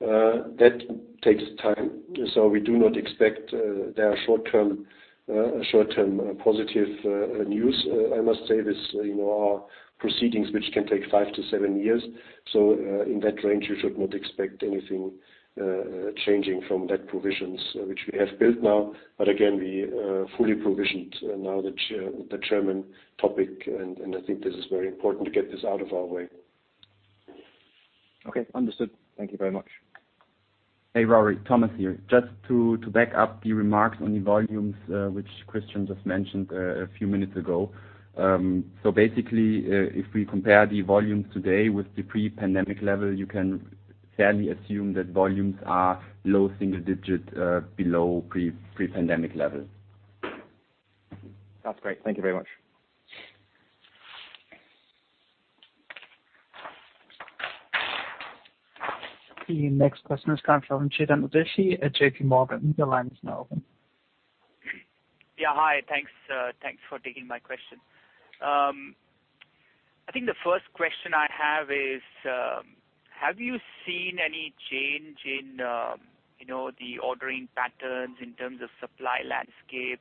That takes time, so we do not expect there are short-term positive news. I must say this, you know, are proceedings which can take five to seven years. In that range, you should not expect anything changing from that provisions which we have built now. Again, we fully provisioned now the German topic, and I think this is very important to get this out of our way. Okay. Understood. Thank you very much. Hey, Rory. Thomas here. Just to back up the remarks on the volumes, which Christian just mentioned a few minutes ago. Basically, if we compare the volumes today with the pre-pandemic level, you can fairly assume that volumes are low single digit below pre-pandemic level. That's great. Thank you very much. The next question is coming from Chetan Udeshi at J.P. Morgan. Your line is now open. Hi. Thanks for taking my question. I think the first question I have is, have you seen any change in, you know, the ordering patterns in terms of supply landscape?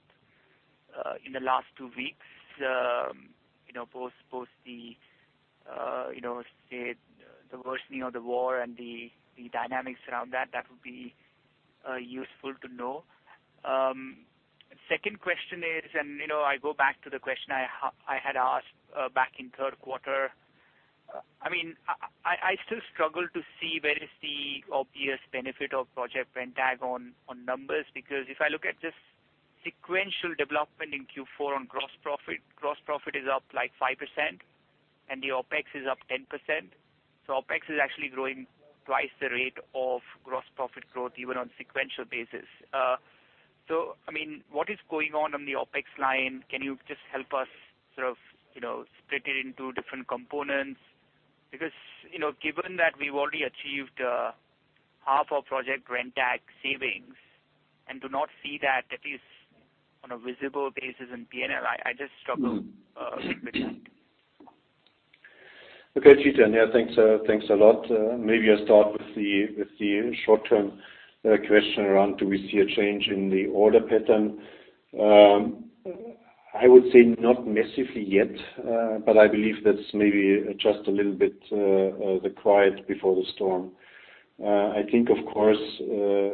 In the last two weeks, you know, post the, you know, say, the worsening of the war and the dynamics around that would be useful to know. Second question is, you know, I go back to the question I had asked back in Q3. I mean, I still struggle to see where is the obvious benefit of Project Brenntag on numbers. Because if I look at this sequential development in Q4 on gross profit, gross profit is up, like, 5% and the OpEx is up 10%. OpEx is actually growing twice the rate of gross profit growth, even on sequential basis. I mean, what is going on on the OpEx line? Can you just help us sort of, you know, split it into different components? Because, you know, given that we've already achieved half our Project Brenntag savings and do not see that at least on a visible basis in P&L, I just struggle with that. Okay, Chetan. Yeah, thanks a lot. Maybe I start with the short-term question around do we see a change in the order pattern. I would say not massively yet, but I believe that's maybe just a little bit, the quiet before the storm. I think of course, the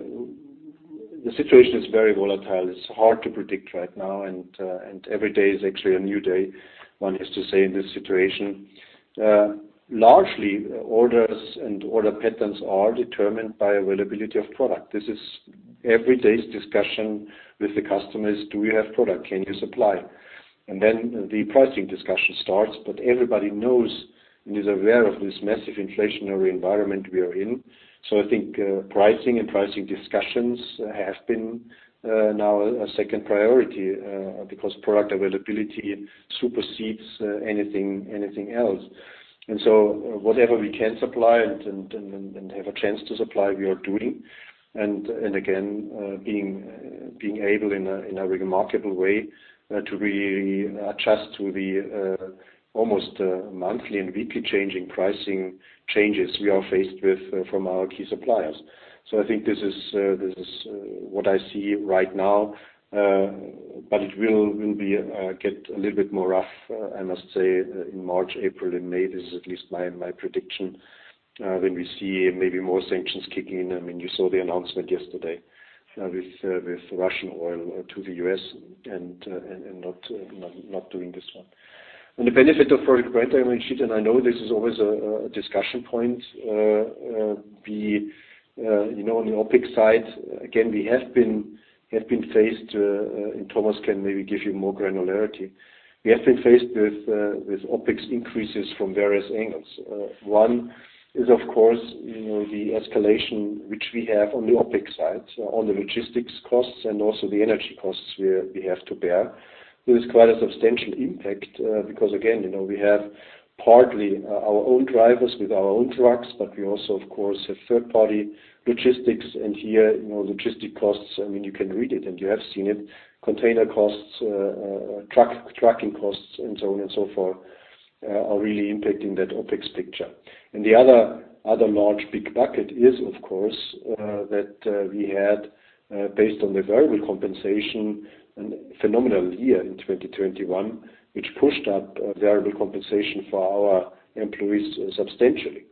situation is very volatile. It's hard to predict right now and every day is actually a new day, one is to say in this situation. Largely orders and order patterns are determined by availability of product. This is every day's discussion with the customers. Do we have product? Can you supply? And then the pricing discussion starts, but everybody knows and is aware of this massive inflationary environment we are in. I think pricing discussions have been now a second priority because product availability supersedes anything else. Whatever we can supply and have a chance to supply, we are doing. Again, being able in a remarkable way to really adjust to the almost monthly and weekly changing pricing changes we are faced with from our key suppliers. I think this is what I see right now. It will be get a little bit more rough, I must say, in March, April and May. This is at least my prediction when we see maybe more sanctions kicking in. I mean, you saw the announcement yesterday, with Russian oil to the U.S. and not doing this one. The benefit of Project Brenntag, I mean, Chetan, I know this is always a discussion point. We, you know, on the OpEx side, again, we have been faced, and Thomas can maybe give you more granularity. We have been faced with OpEx increases from various angles. One is of course, you know, the escalation which we have on the OpEx side, on the logistics costs and also the energy costs we have to bear. It's quite a substantial impact, because again, you know, we have partly our own drivers with our own trucks, but we also of course have third-party logistics. Here, you know, logistics costs, I mean, you can read it and you have seen it, container costs, trucking costs and so on and so forth, are really impacting that OpEx picture. The other large big bucket is of course, that we had, based on the variable compensation and phenomenal year in 2021, which pushed up, variable compensation for our employees substantially.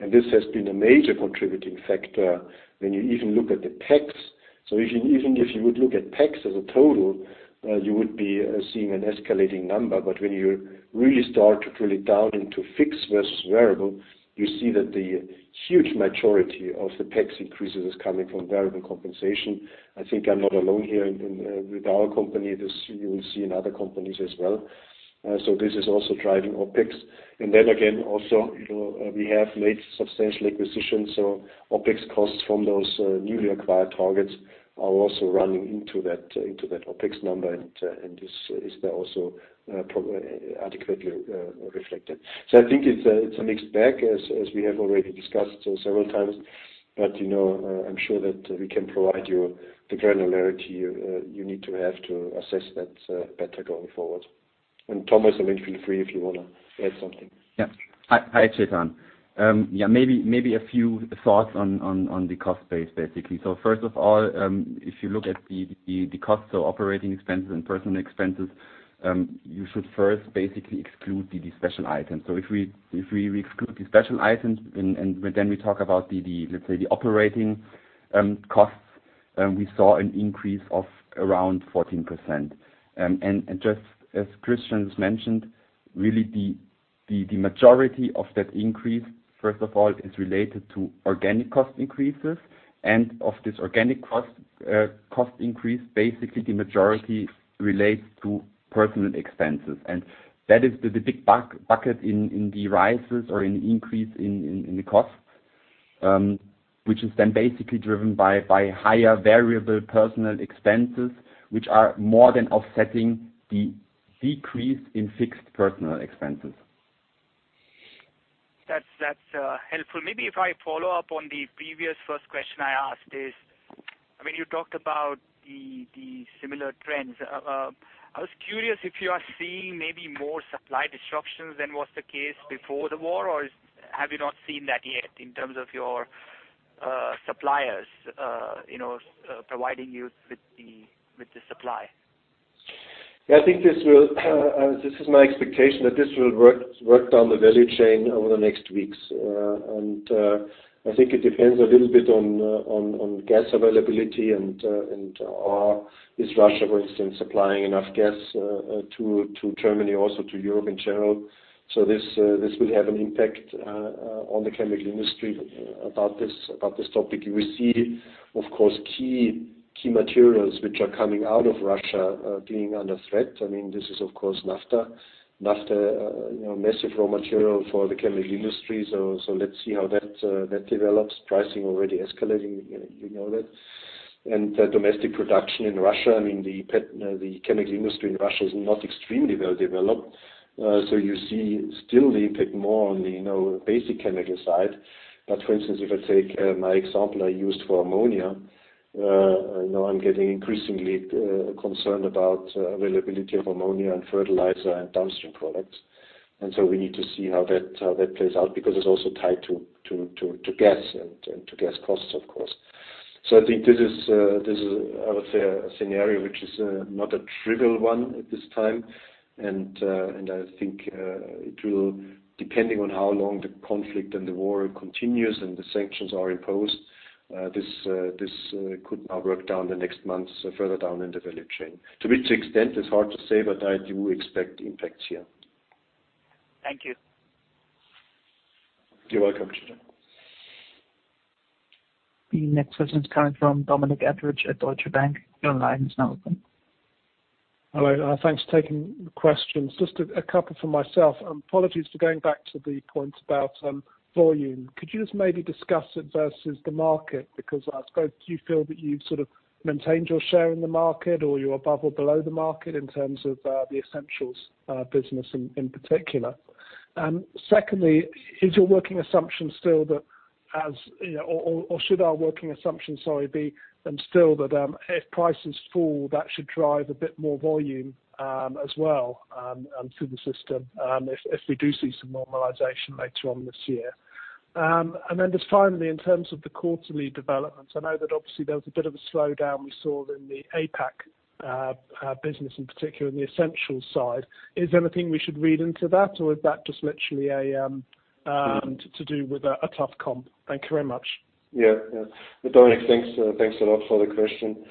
This has been a major contributing factor when you even look at the PEX. Even if you would look at PEX as a total, you would be, seeing an escalating number. When you really start to drill it down into fixed versus variable, you see that the huge majority of the PEX increases is coming from variable compensation. I think I'm not alone here in with our company. This you will see in other companies as well. This is also driving OpEx. You know, we have made substantial acquisitions, so OpEx costs from those newly acquired targets are also running into that OpEx number and is also adequately reflected. I think it's a mixed bag as we have already discussed several times. You know, I'm sure that we can provide you the granularity you need to have to assess that better going forward. Thomas, I mean, feel free if you wanna add something. Yeah. Hi, Chetan Udeshi. Yeah, maybe a few thoughts on the cost base, basically. First of all, if you look at the costs of operating expenses and personnel expenses, you should first basically exclude the special items. If we exclude the special items and then we talk about the, let's say the operating costs, we saw an increase of around 14%. Just as Christian Kohlpaintner's mentioned, really the majority of that increase, first of all, is related to organic cost increases. Of this organic cost increase, basically the majority relates to personnel expenses. That is the big bucket in the increase in the costs, which is then basically driven by higher variable personnel expenses, which are more than offsetting the decrease in fixed personnel expenses. That's helpful. Maybe if I follow up on the previous first question I asked is, I mean, you talked about the similar trends. I was curious if you are seeing maybe more supply disruptions than was the case before the war, or have you not seen that yet in terms of your suppliers, you know, providing you with the supply. I think this is my expectation that this will work down the value chain over the next weeks. I think it depends a little bit on gas availability and. Is Russia, for instance, supplying enough gas to Germany, also to Europe in general? This will have an impact on the chemical industry about this topic. We see, of course, key materials which are coming out of Russia being under threat. I mean, this is of course, naphtha. Naphtha, you know, massive raw material for the chemical industry. Let's see how that develops. Pricing already escalating, you know that. The domestic production in Russia, I mean, the chemical industry in Russia is not extremely well developed. You still see the impact more on the, you know, basic chemical side. For instance, if I take my example I used for ammonia, you know, I'm getting increasingly concerned about availability of ammonia and fertilizer and downstream products. We need to see how that plays out because it's also tied to gas and to gas costs, of course. I think this is, I would say, a scenario which is not a trivial one at this time. I think it will, depending on how long the conflict and the war continues and the sanctions are imposed, this could now work down the next months further down in the value chain. To which extent is hard to say, but I do expect impacts here. Thank you. You're welcome, Chetan Udeshi. The next question is coming from Dominic Edridge at Deutsche Bank. Your line is now open. Hello, and thanks for taking the questions. Just a couple from myself, and apologies for going back to the point about volume. Could you just maybe discuss it versus the market? Because I suppose you feel that you've sort of maintained your share in the market, or you're above or below the market in terms of the Essentials business in particular. Secondly, is your working assumption still that, as you know, or should our working assumption, sorry, be still that if prices fall, that should drive a bit more volume as well through the system, if we do see some normalization later on this year? Just finally, in terms of the quarterly developments, I know that obviously there was a bit of a slowdown we saw in the APAC business in particular, in the Essentials side. Is there anything we should read into that, or is that just literally a to do with a tough comp? Thank you very much. Dominic, thanks a lot for the question.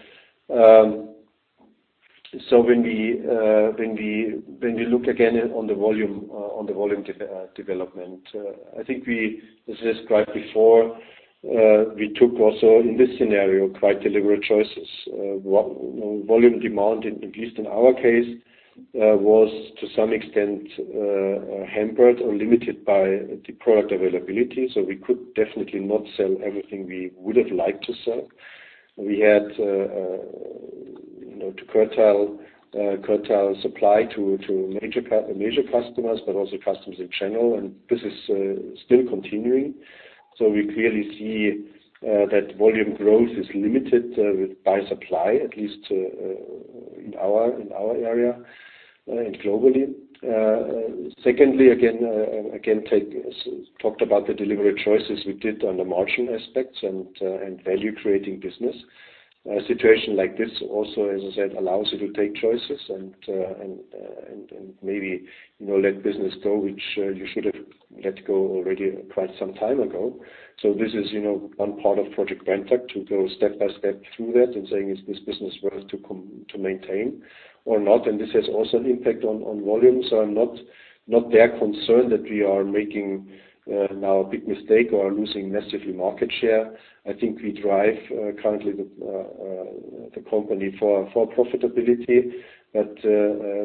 So when we look again on the volume development, I think this is described before. We took also in this scenario quite deliberate choices. Volume demand, at least in our case, was to some extent hampered or limited by the product availability. We could definitely not sell everything we would have liked to sell. We had, you know, to curtail supply to major customers, but also customers in general. This is still continuing. We clearly see that volume growth is limited by supply, at least in our area and globally. Secondly, again, talked about the deliberate choices we did on the margin aspects and value creating business. A situation like this also, as I said, allows you to take choices and maybe, you know, let business go, which you should have let go already quite some time ago. This is, you know, one part of Project Brenntag to go step by step through that and saying, "Is this business worth to maintain or not?" This has also an impact on volumes. I'm not that concerned that we are making now a big mistake or losing massive market share. I think we drive currently the company for profitability, but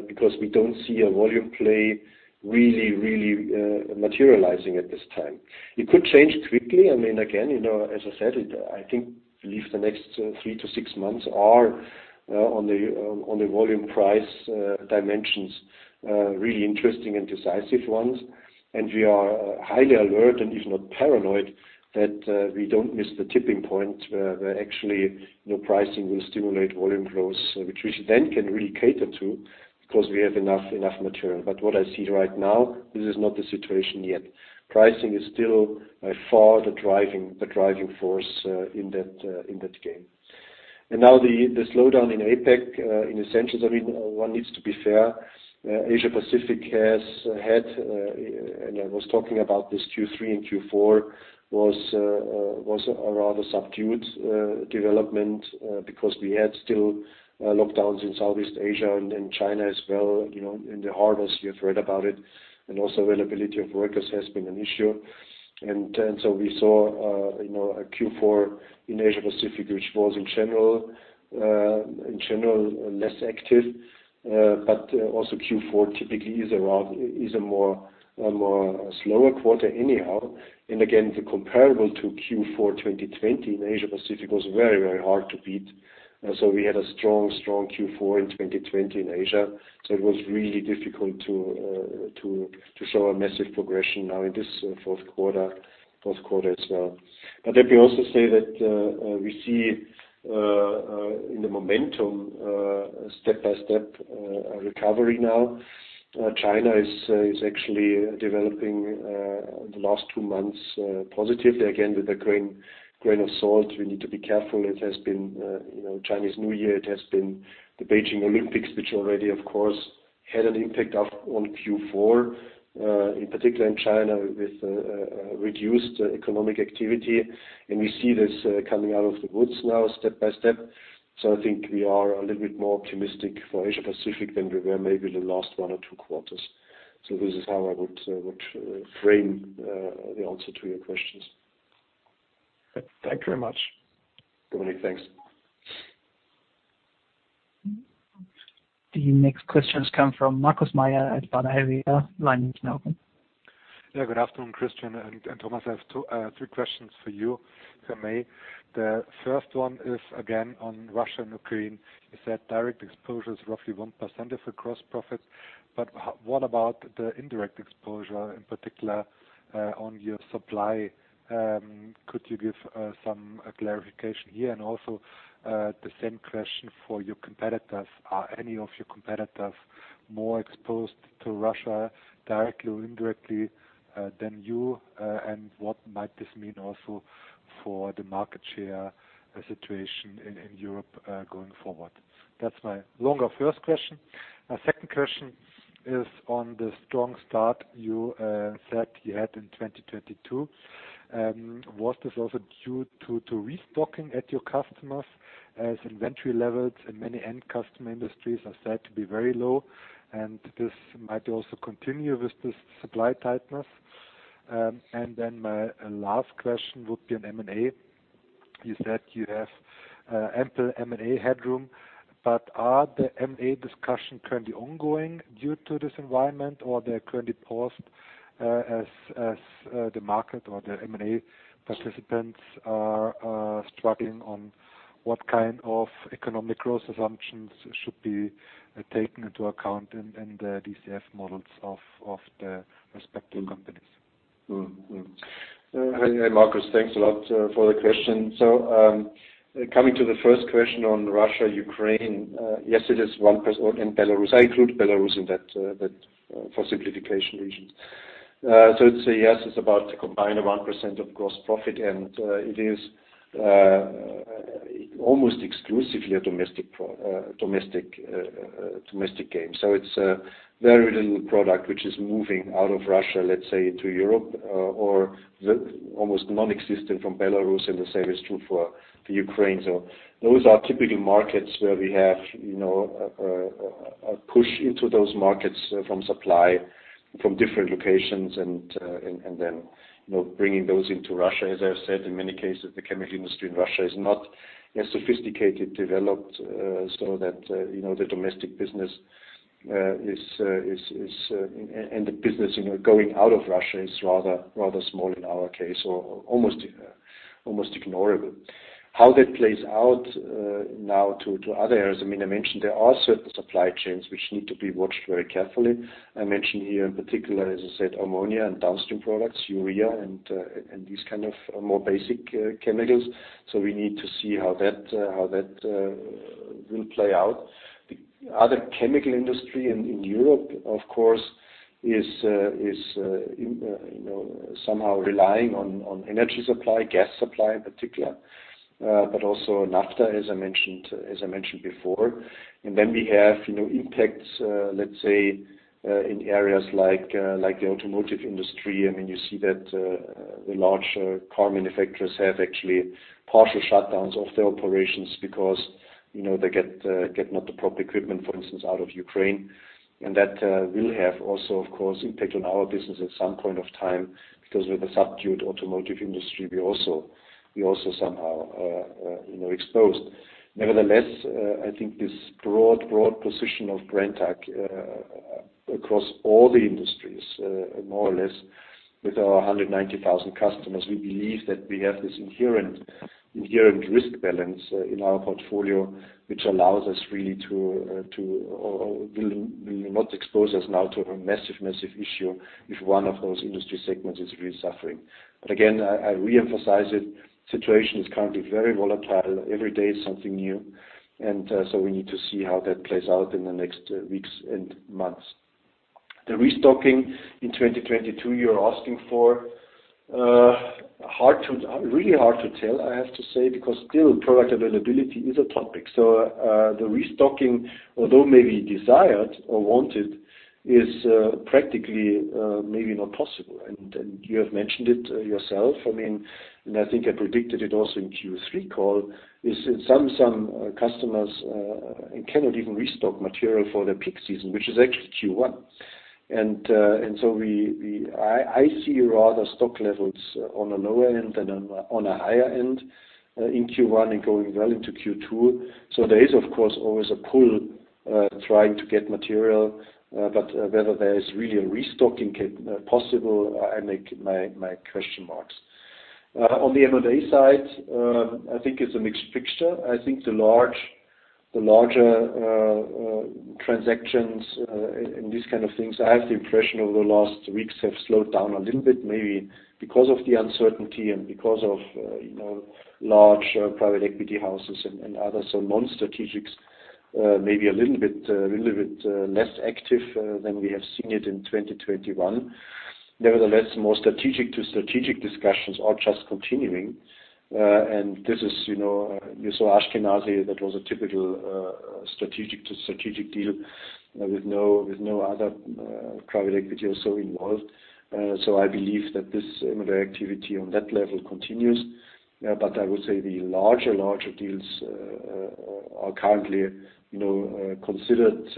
because we don't see a volume play really materializing at this time. It could change quickly. I mean, again, you know, as I said, I think at least the next three to six months are on the volume price dimensions, really interesting and decisive ones. We are highly alert and if not paranoid that we don't miss the tipping point where actually, you know, pricing will stimulate volume growth, which we then can really cater to because we have enough material. What I see right now, this is not the situation yet. Pricing is still by far the driving force in that game. Now the slowdown in APAC in Essentials, I mean, one needs to be fair. Asia Pacific has had, and I was talking about this, Q3 and Q4 was a rather subdued development because we had still lockdowns in Southeast Asia and in China as well, you know, in Shanghai. You've read about it. Also availability of workers has been an issue. We saw, you know, a Q4 in Asia Pacific, which was in general less active. Also Q4 typically is a more slower quarter anyhow. Again, the comparable to Q4 2020 in Asia Pacific was very hard to beat. We had a strong Q4 in 2020 in Asia. It was really difficult to show a massive progression now in this Q4 as well. Let me also say that we see in the momentum step by step a recovery now. China is actually developing the last two months positively. Again, with a grain of salt, we need to be careful. It has been, you know, Chinese New Year. It has been the Beijing Olympics, which already, of course, had an impact on Q4, in particular in China with reduced economic activity. We see this coming out of the woods now step by step. I think we are a little bit more optimistic for Asia-Pacific than we were maybe the last one or two quarters. This is how I would frame the answer to your questions. Thank you very much. Dominic, thanks. The next questions come from Markus Mayer at Baader Helvea. Line is now open. Yeah. Good afternoon, Christian and Thomas. I have two, three questions for you if I may. The first one is again on Russia and Ukraine. You said direct exposure is roughly 1% of the gross profit, but what about the indirect exposure in particular on your supply? Could you give some clarification here? And also, the same question for your competitors. Are any of your competitors more exposed to Russia directly or indirectly than you? And what might this mean also for the market share situation in Europe going forward? That's my longer first question. My second question is on the strong start you said you had in 2022. Was this also due to restocking at your customers as inventory levels in many end customer industries are said to be very low, and this might also continue with this supply tightness? My last question would be on M&A. You said you have ample M&A headroom, but are the M&A discussion currently ongoing due to this environment or they're currently paused, as the market or the M&A participants are struggling on what kind of economic growth assumptions should be taken into account in the DCF models of the respective companies? Markus, thanks a lot for the question. Coming to the first question on Russia, Ukraine, and Belarus. I include Belarus in that for simplification reasons. I'd say yes, it's about a combined 1% of gross profit, and it is almost exclusively a domestic game. It's very little product which is moving out of Russia, let's say, into Europe, or almost nonexistent from Belarus, and the same is true for Ukraine. Those are typical markets where we have, you know, a push into those markets from suppliers from different locations and then, you know, bringing those into Russia. As I said, in many cases, the chemical industry in Russia is not as sophisticated developed, so that, you know, the domestic business is and the business, you know, going out of Russia is rather small in our case or almost ignorable. How that plays out now to other areas, I mean, I mentioned there are certain supply chains which need to be watched very carefully. I mentioned here in particular, as I said, ammonia and downstream products, urea and these kind of more basic chemicals. We need to see how that will play out. The other chemical industry in Europe, of course, is, you know, somehow relying on energy supply, gas supply in particular, but also naphtha, as I mentioned before. We have, you know, impacts, let's say, in areas like the automotive industry. I mean, you see that the large car manufacturers have actually partial shutdowns of their operations because, you know, they get not the proper equipment, for instance, out of Ukraine. That will have also of course impact on our business at some point of time because with the subdued automotive industry, we also somehow are, you know, exposed. Nevertheless, I think this broad position of Brenntag across all the industries, more or less with our 190,000 customers, we believe that we have this inherent risk balance in our portfolio, which allows us really to, or will not expose us now to a massive issue if one of those industry segments is really suffering. Again, I reemphasize it. Situation is currently very volatile. Every day is something new. We need to see how that plays out in the next weeks and months. The restocking in 2022 you're asking for, really hard to tell, I have to say, because still product availability is a topic. The restocking, although maybe desired or wanted, is practically maybe not possible. You have mentioned it yourself. I mean, I think I predicted it also in Q3 call, some customers cannot even restock material for their peak season, which is actually Q1. I see rather stock levels on a lower end than on a higher end in Q1 and going well into Q2. There is, of course, always a pull trying to get material. But whether there is really a restocking possible, I make my question marks. On the M&A side, I think it's a mixed picture. I think the larger transactions and these kind of things. I have the impression over the last weeks have slowed down a little bit, maybe because of the uncertainty and because of, you know, large private equity houses and others. Non-strategics may be a little bit less active than we have seen it in 2021. Nevertheless, more strategic to strategic discussions are just continuing. This is, you know, you saw Ashkenazi that was a typical strategic to strategic deal with no other private equity also involved. I believe that this M&A activity on that level continues. I would say the larger deals are currently, you know, considered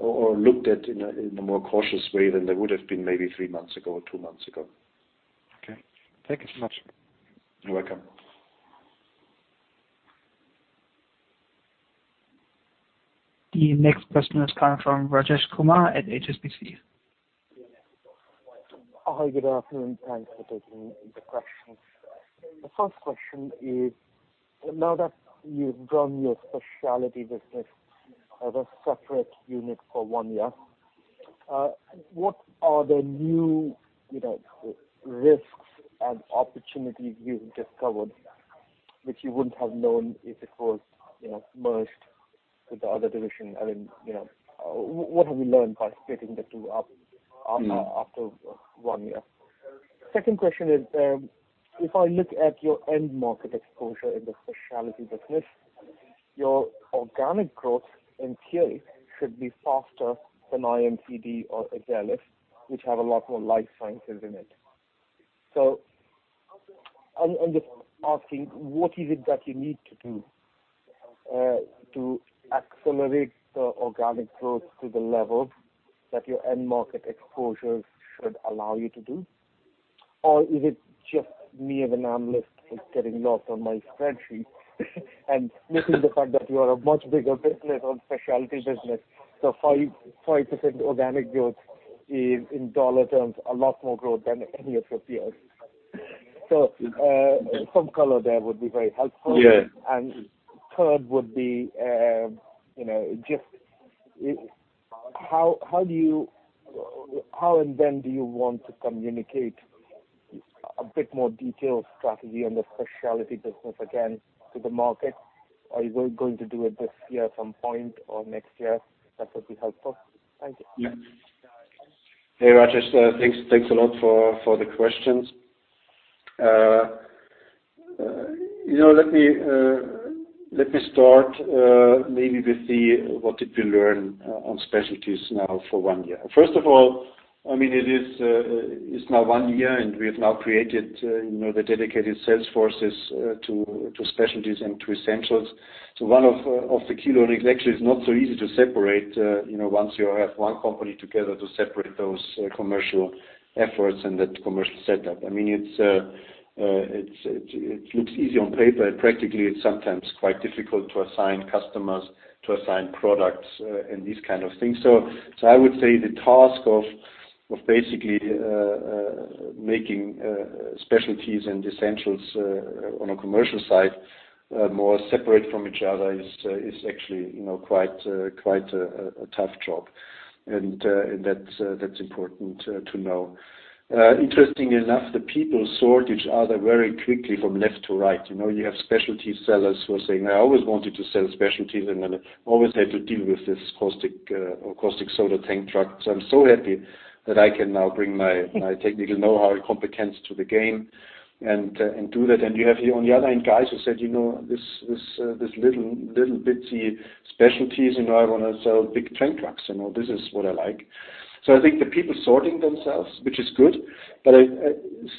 or looked at in a more cautious way than they would have been maybe three months ago or two months ago. Okay. Thank you so much. You're welcome. The next question is coming from Rajesh Kumar at HSBC. Hi, good afternoon, and thanks for taking the questions. The first question is, now that you've done your specialty business as a separate unit for one year, what are the new, you know, risks and opportunities you've discovered which you wouldn't have known if it was, you know, merged with the other division? I mean, you know, what have you learned by splitting the two up after one year? Second question is, if I look at your end market exposure in the specialty business, your organic growth in theory should be faster than IMCD or Azelis, which have a lot more life sciences in it. So I'm just asking, what is it that you need to do, to accelerate the organic growth to the level that your end market exposure should allow you to do? is it just me as an analyst just getting lost on my spreadsheet and missing the fact that you are a much bigger business on specialty business, so 5.5% organic growth is, in dollar terms, a lot more growth than any of your peers. Some color there would be very helpful. Yeah. Third would be, you know, just how and when do you want to communicate a bit more detailed strategy on the specialty business again to the market? Are you going to do it this year at some point or next year? That would be helpful. Thank you. Hey, Rajesh. Thanks a lot for the questions. You know, let me start maybe with what we did learn on specialties now for one year. First of all, I mean, it's now one year, and we have now created, you know, the dedicated sales forces to specialties and to essentials. One of the key learnings actually it's not so easy to separate, you know, once you have one company together to separate those commercial efforts and that commercial setup. I mean, it looks easy on paper, but practically it's sometimes quite difficult to assign customers, to assign products, and these kind of things. I would say the task of basically making Specialties and Essentials on a commercial side more separate from each other is actually, you know, quite a tough job. That's important to know. Interesting enough, the people sort each other very quickly from left to right. You know, you have specialty sellers who are saying, "I always wanted to sell specialties, and then always had to deal with this caustic or caustic soda tank trucks. I'm so happy that I can now bring my technical know-how and competence to the game and do that." You have here on the other end guys who said, "You know, this little bitsy specialties, you know, I wanna sell big tank trucks. You know, this is what I like. I think the people sorting themselves, which is good, but I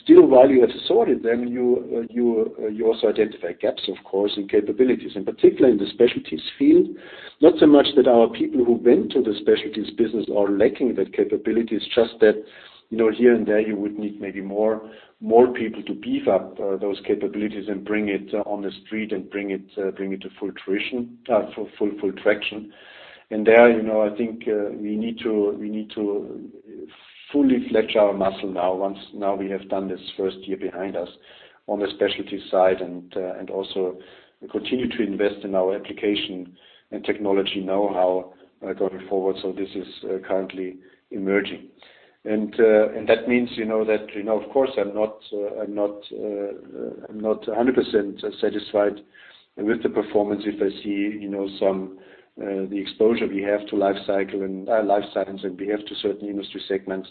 still while you have sorted them, you also identify gaps, of course, and capabilities. In particular, in the specialties field, not so much that our people who went to the specialties business are lacking the capabilities, just that, you know, here and there you would need maybe more people to beef up those capabilities and bring it to the street and bring it to full fruition for full traction. And there, you know, I think, we need to fully flex our muscle now once we have done this first year behind us on the specialty side and also continue to invest in our application and technology know-how going forward. This is currently emerging. That means, you know, that, you know, of course I'm not 100% satisfied with the performance. If I see, you know, some of the exposure we have to life cycle and life science and to certain industry segments,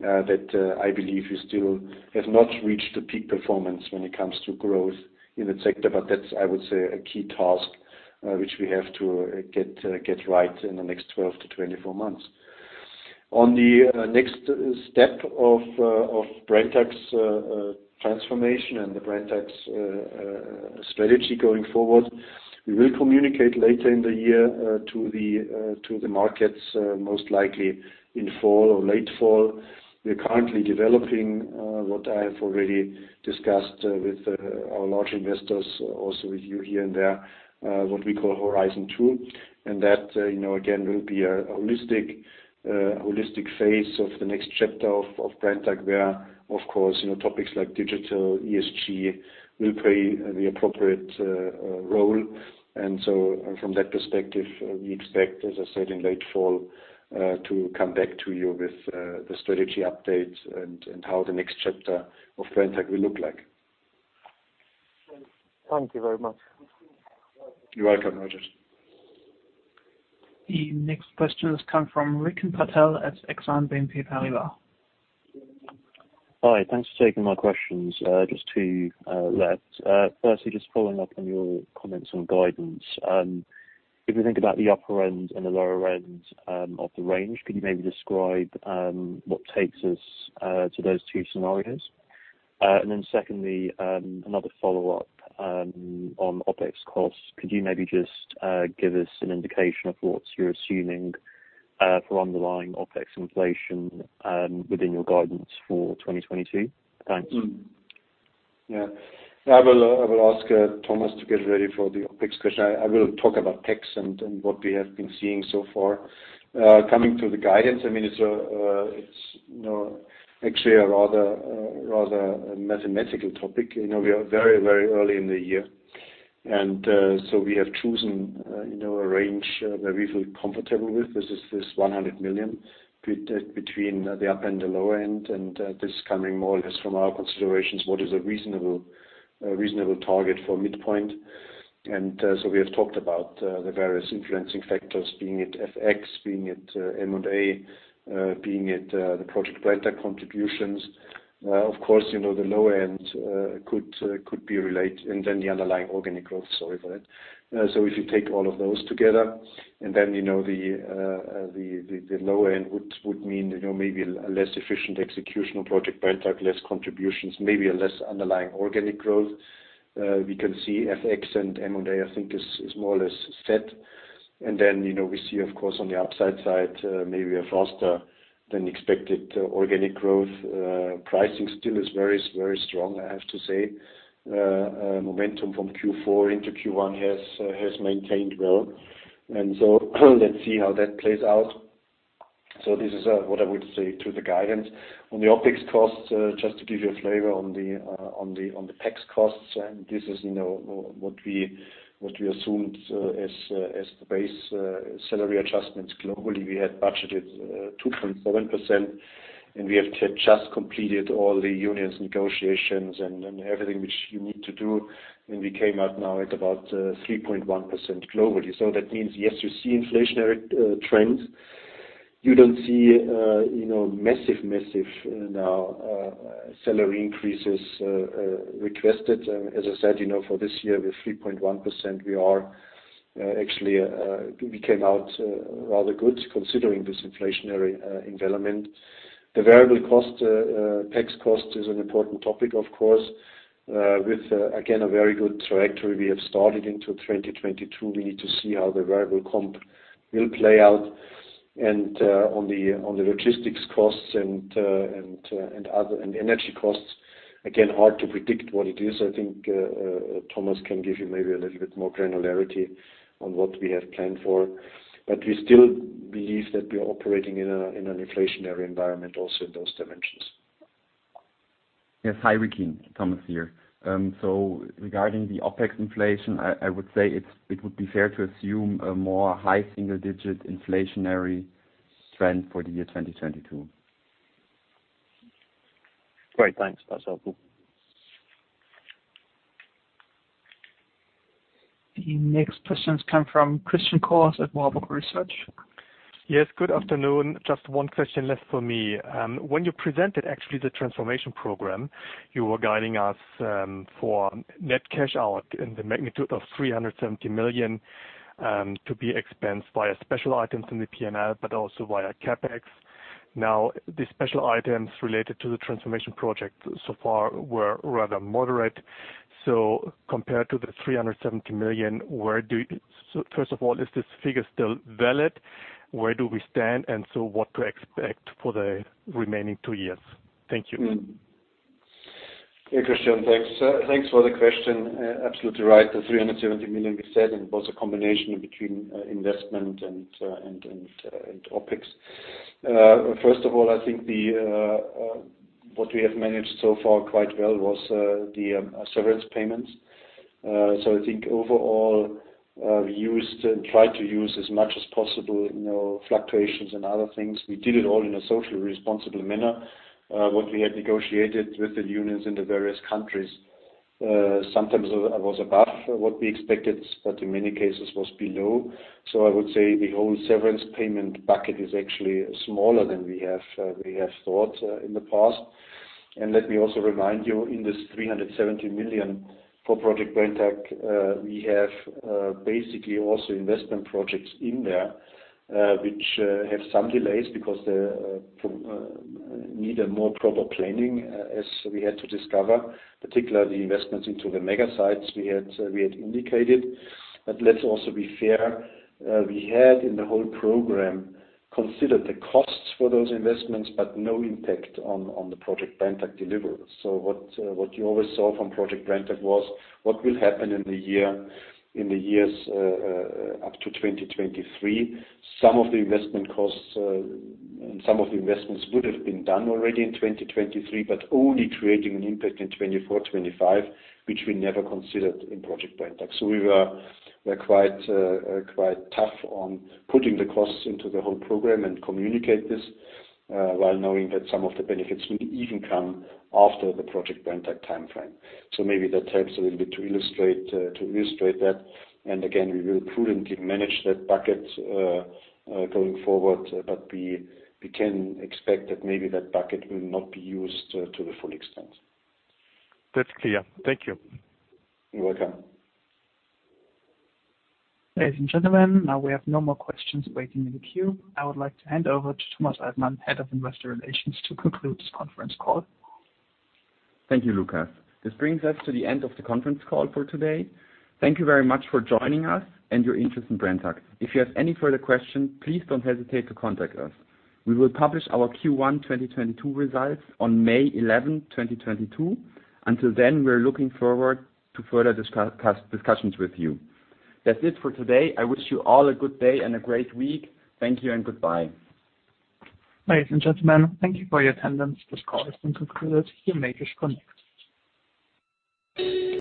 that I believe we still have not reached the peak performance when it comes to growth in that sector. That's, I would say, a key task which we have to get right in the next 12-24 months. On the next step of Brenntag's transformation and Brenntag's strategy going forward, we will communicate later in the year to the markets, most likely in fall or late fall. We're currently developing what I have already discussed with our large investors, also with you here and there, what we call Horizon 2, and that, you know, again, will be a holistic phase of the next chapter of Brenntag where, of course, you know, topics like digital, ESG will play the appropriate role. From that perspective, we expect, as I said, in late fall to come back to you with the strategy updates and how the next chapter of Brenntag will look like. Thank you very much. You're welcome, Rajesh Kumar. The next questions come from Rikin Patel at Exane BNP Paribas. Hi. Thanks for taking my questions. Just two left. Firstly, just following up on your comments on guidance. If you think about the upper end and the lower end of the range, could you maybe describe what takes us to those two scenarios? And then secondly, another follow-up on OpEx costs. Could you maybe just give us an indication of what you're assuming for underlying OpEx inflation within your guidance for 2022? Thanks. Yeah. I will ask Thomas to get ready for the OpEx question. I will talk about tax and what we have been seeing so far. Coming to the guidance, I mean, it's actually a rather mathematical topic. You know, we are very early in the year. We have chosen a range that we feel comfortable with. This is 100 million between the upper and the lower end, and this is coming more or less from our considerations, what is a reasonable target for midpoint. We have talked about the various influencing factors, being it FX, being it M&A, being it the Project Brenntag contributions. Of course, you know, the low end could be related. Then the underlying organic growth, sorry for that. If you take all of those together, and then, you know, the lower end would mean, you know, maybe a less efficient execution of Project Brenntag, less contributions, maybe a less underlying organic growth. We can see FX and M&A I think is more or less set. Then, you know, we see of course on the upside side, maybe a faster than expected organic growth. Pricing still is very, very strong, I have to say. Momentum from Q4 into Q1 has maintained well. Let's see how that plays out. This is what I would say to the guidance. On the OpEx costs, just to give you a flavor on the OpEx costs, and this is, you know, what we assumed as the base salary adjustments globally. We had budgeted 2.7%, and we have just completed all the union's negotiations and everything which you need to do, and we came out now at about 3.1% globally. That means, yes, you see inflationary trends. You don't see, you know, massive salary increases requested. As I said, you know, for this year, with 3.1% we are actually we came out rather good considering this inflationary environment. The variable cost, tax cost is an important topic, of course, with, again, a very good trajectory we have started into 2022. We need to see how the variable comp will play out. On the logistics costs and other energy costs, again, hard to predict what it is. I think, Thomas can give you maybe a little bit more granularity on what we have planned for. We still believe that we are operating in an inflationary environment also in those dimensions. Yes. Hi, Rikin Patel. Thomas here. Regarding the OpEx inflation, I would say it would be fair to assume a mid-high single-digit inflationary trend for the year 2022. Great. Thanks. That's helpful. The next questions come from Christian Cohrs at Warburg Research. Yes, good afternoon. Just one question left for me. When you presented actually the transformation program, you were guiding us for net cash out in the magnitude of 370 million to be expensed via special items in the P&L, but also via CapEx. Now, the special items related to the transformation project so far were rather moderate. Compared to the 370 million, first of all, is this figure still valid? Where do we stand? What to expect for the remaining two years? Thank you. Hey, Christian. Thanks for the question. Absolutely right. The 370 million we said, and it was a combination between investment and OpEx. First of all, I think what we have managed so far quite well was the severance payments. I think overall, we used and tried to use as much as possible, you know, fluctuations and other things. We did it all in a socially responsible manner. What we had negotiated with the unions in the various countries sometimes was above what we expected, but in many cases was below. I would say the whole severance payment bucket is actually smaller than we have thought in the past. Let me also remind you, in this 370 million for Project Brenntag, we have basically also investment projects in there, which need a more proper planning, as we had to discover, particularly investments into the mega sites we had indicated. Let's also be fair, we had in the whole program considered the costs for those investments, but no impact on the Project Brenntag delivery. What you always saw from Project Brenntag was what will happen in the year, in the years, up to 2023. Some of the investment costs, and some of the investments would have been done already in 2023, but only creating an impact in 2024, 2025, which we never considered in Project Brenntag. We were quite tough on putting the costs into the whole program and communicate this while knowing that some of the benefits will even come after the Project Brenntag timeframe. Maybe that helps a little bit to illustrate that. We will prudently manage that bucket going forward, but we can expect that maybe that bucket will not be used to the full extent. That's clear. Thank you. You're welcome. Ladies and gentlemen, now we have no more questions waiting in the queue. I would like to hand over to Thomas Altmann, Head of Investor Relations, to conclude this conference call. Thank you, Lucas. This brings us to the end of the conference call for today. Thank you very much for joining us and your interest in Brenntag. If you have any further questions, please don't hesitate to contact us. We will publish our Q1 2022 results on May 11th, 2022. Until then, we're looking forward to further discussions with you. That's it for today. I wish you all a good day and a great week. Thank you and goodbye. Ladies and gentlemen, thank you for your attendance. This call has been concluded. You may disconnect.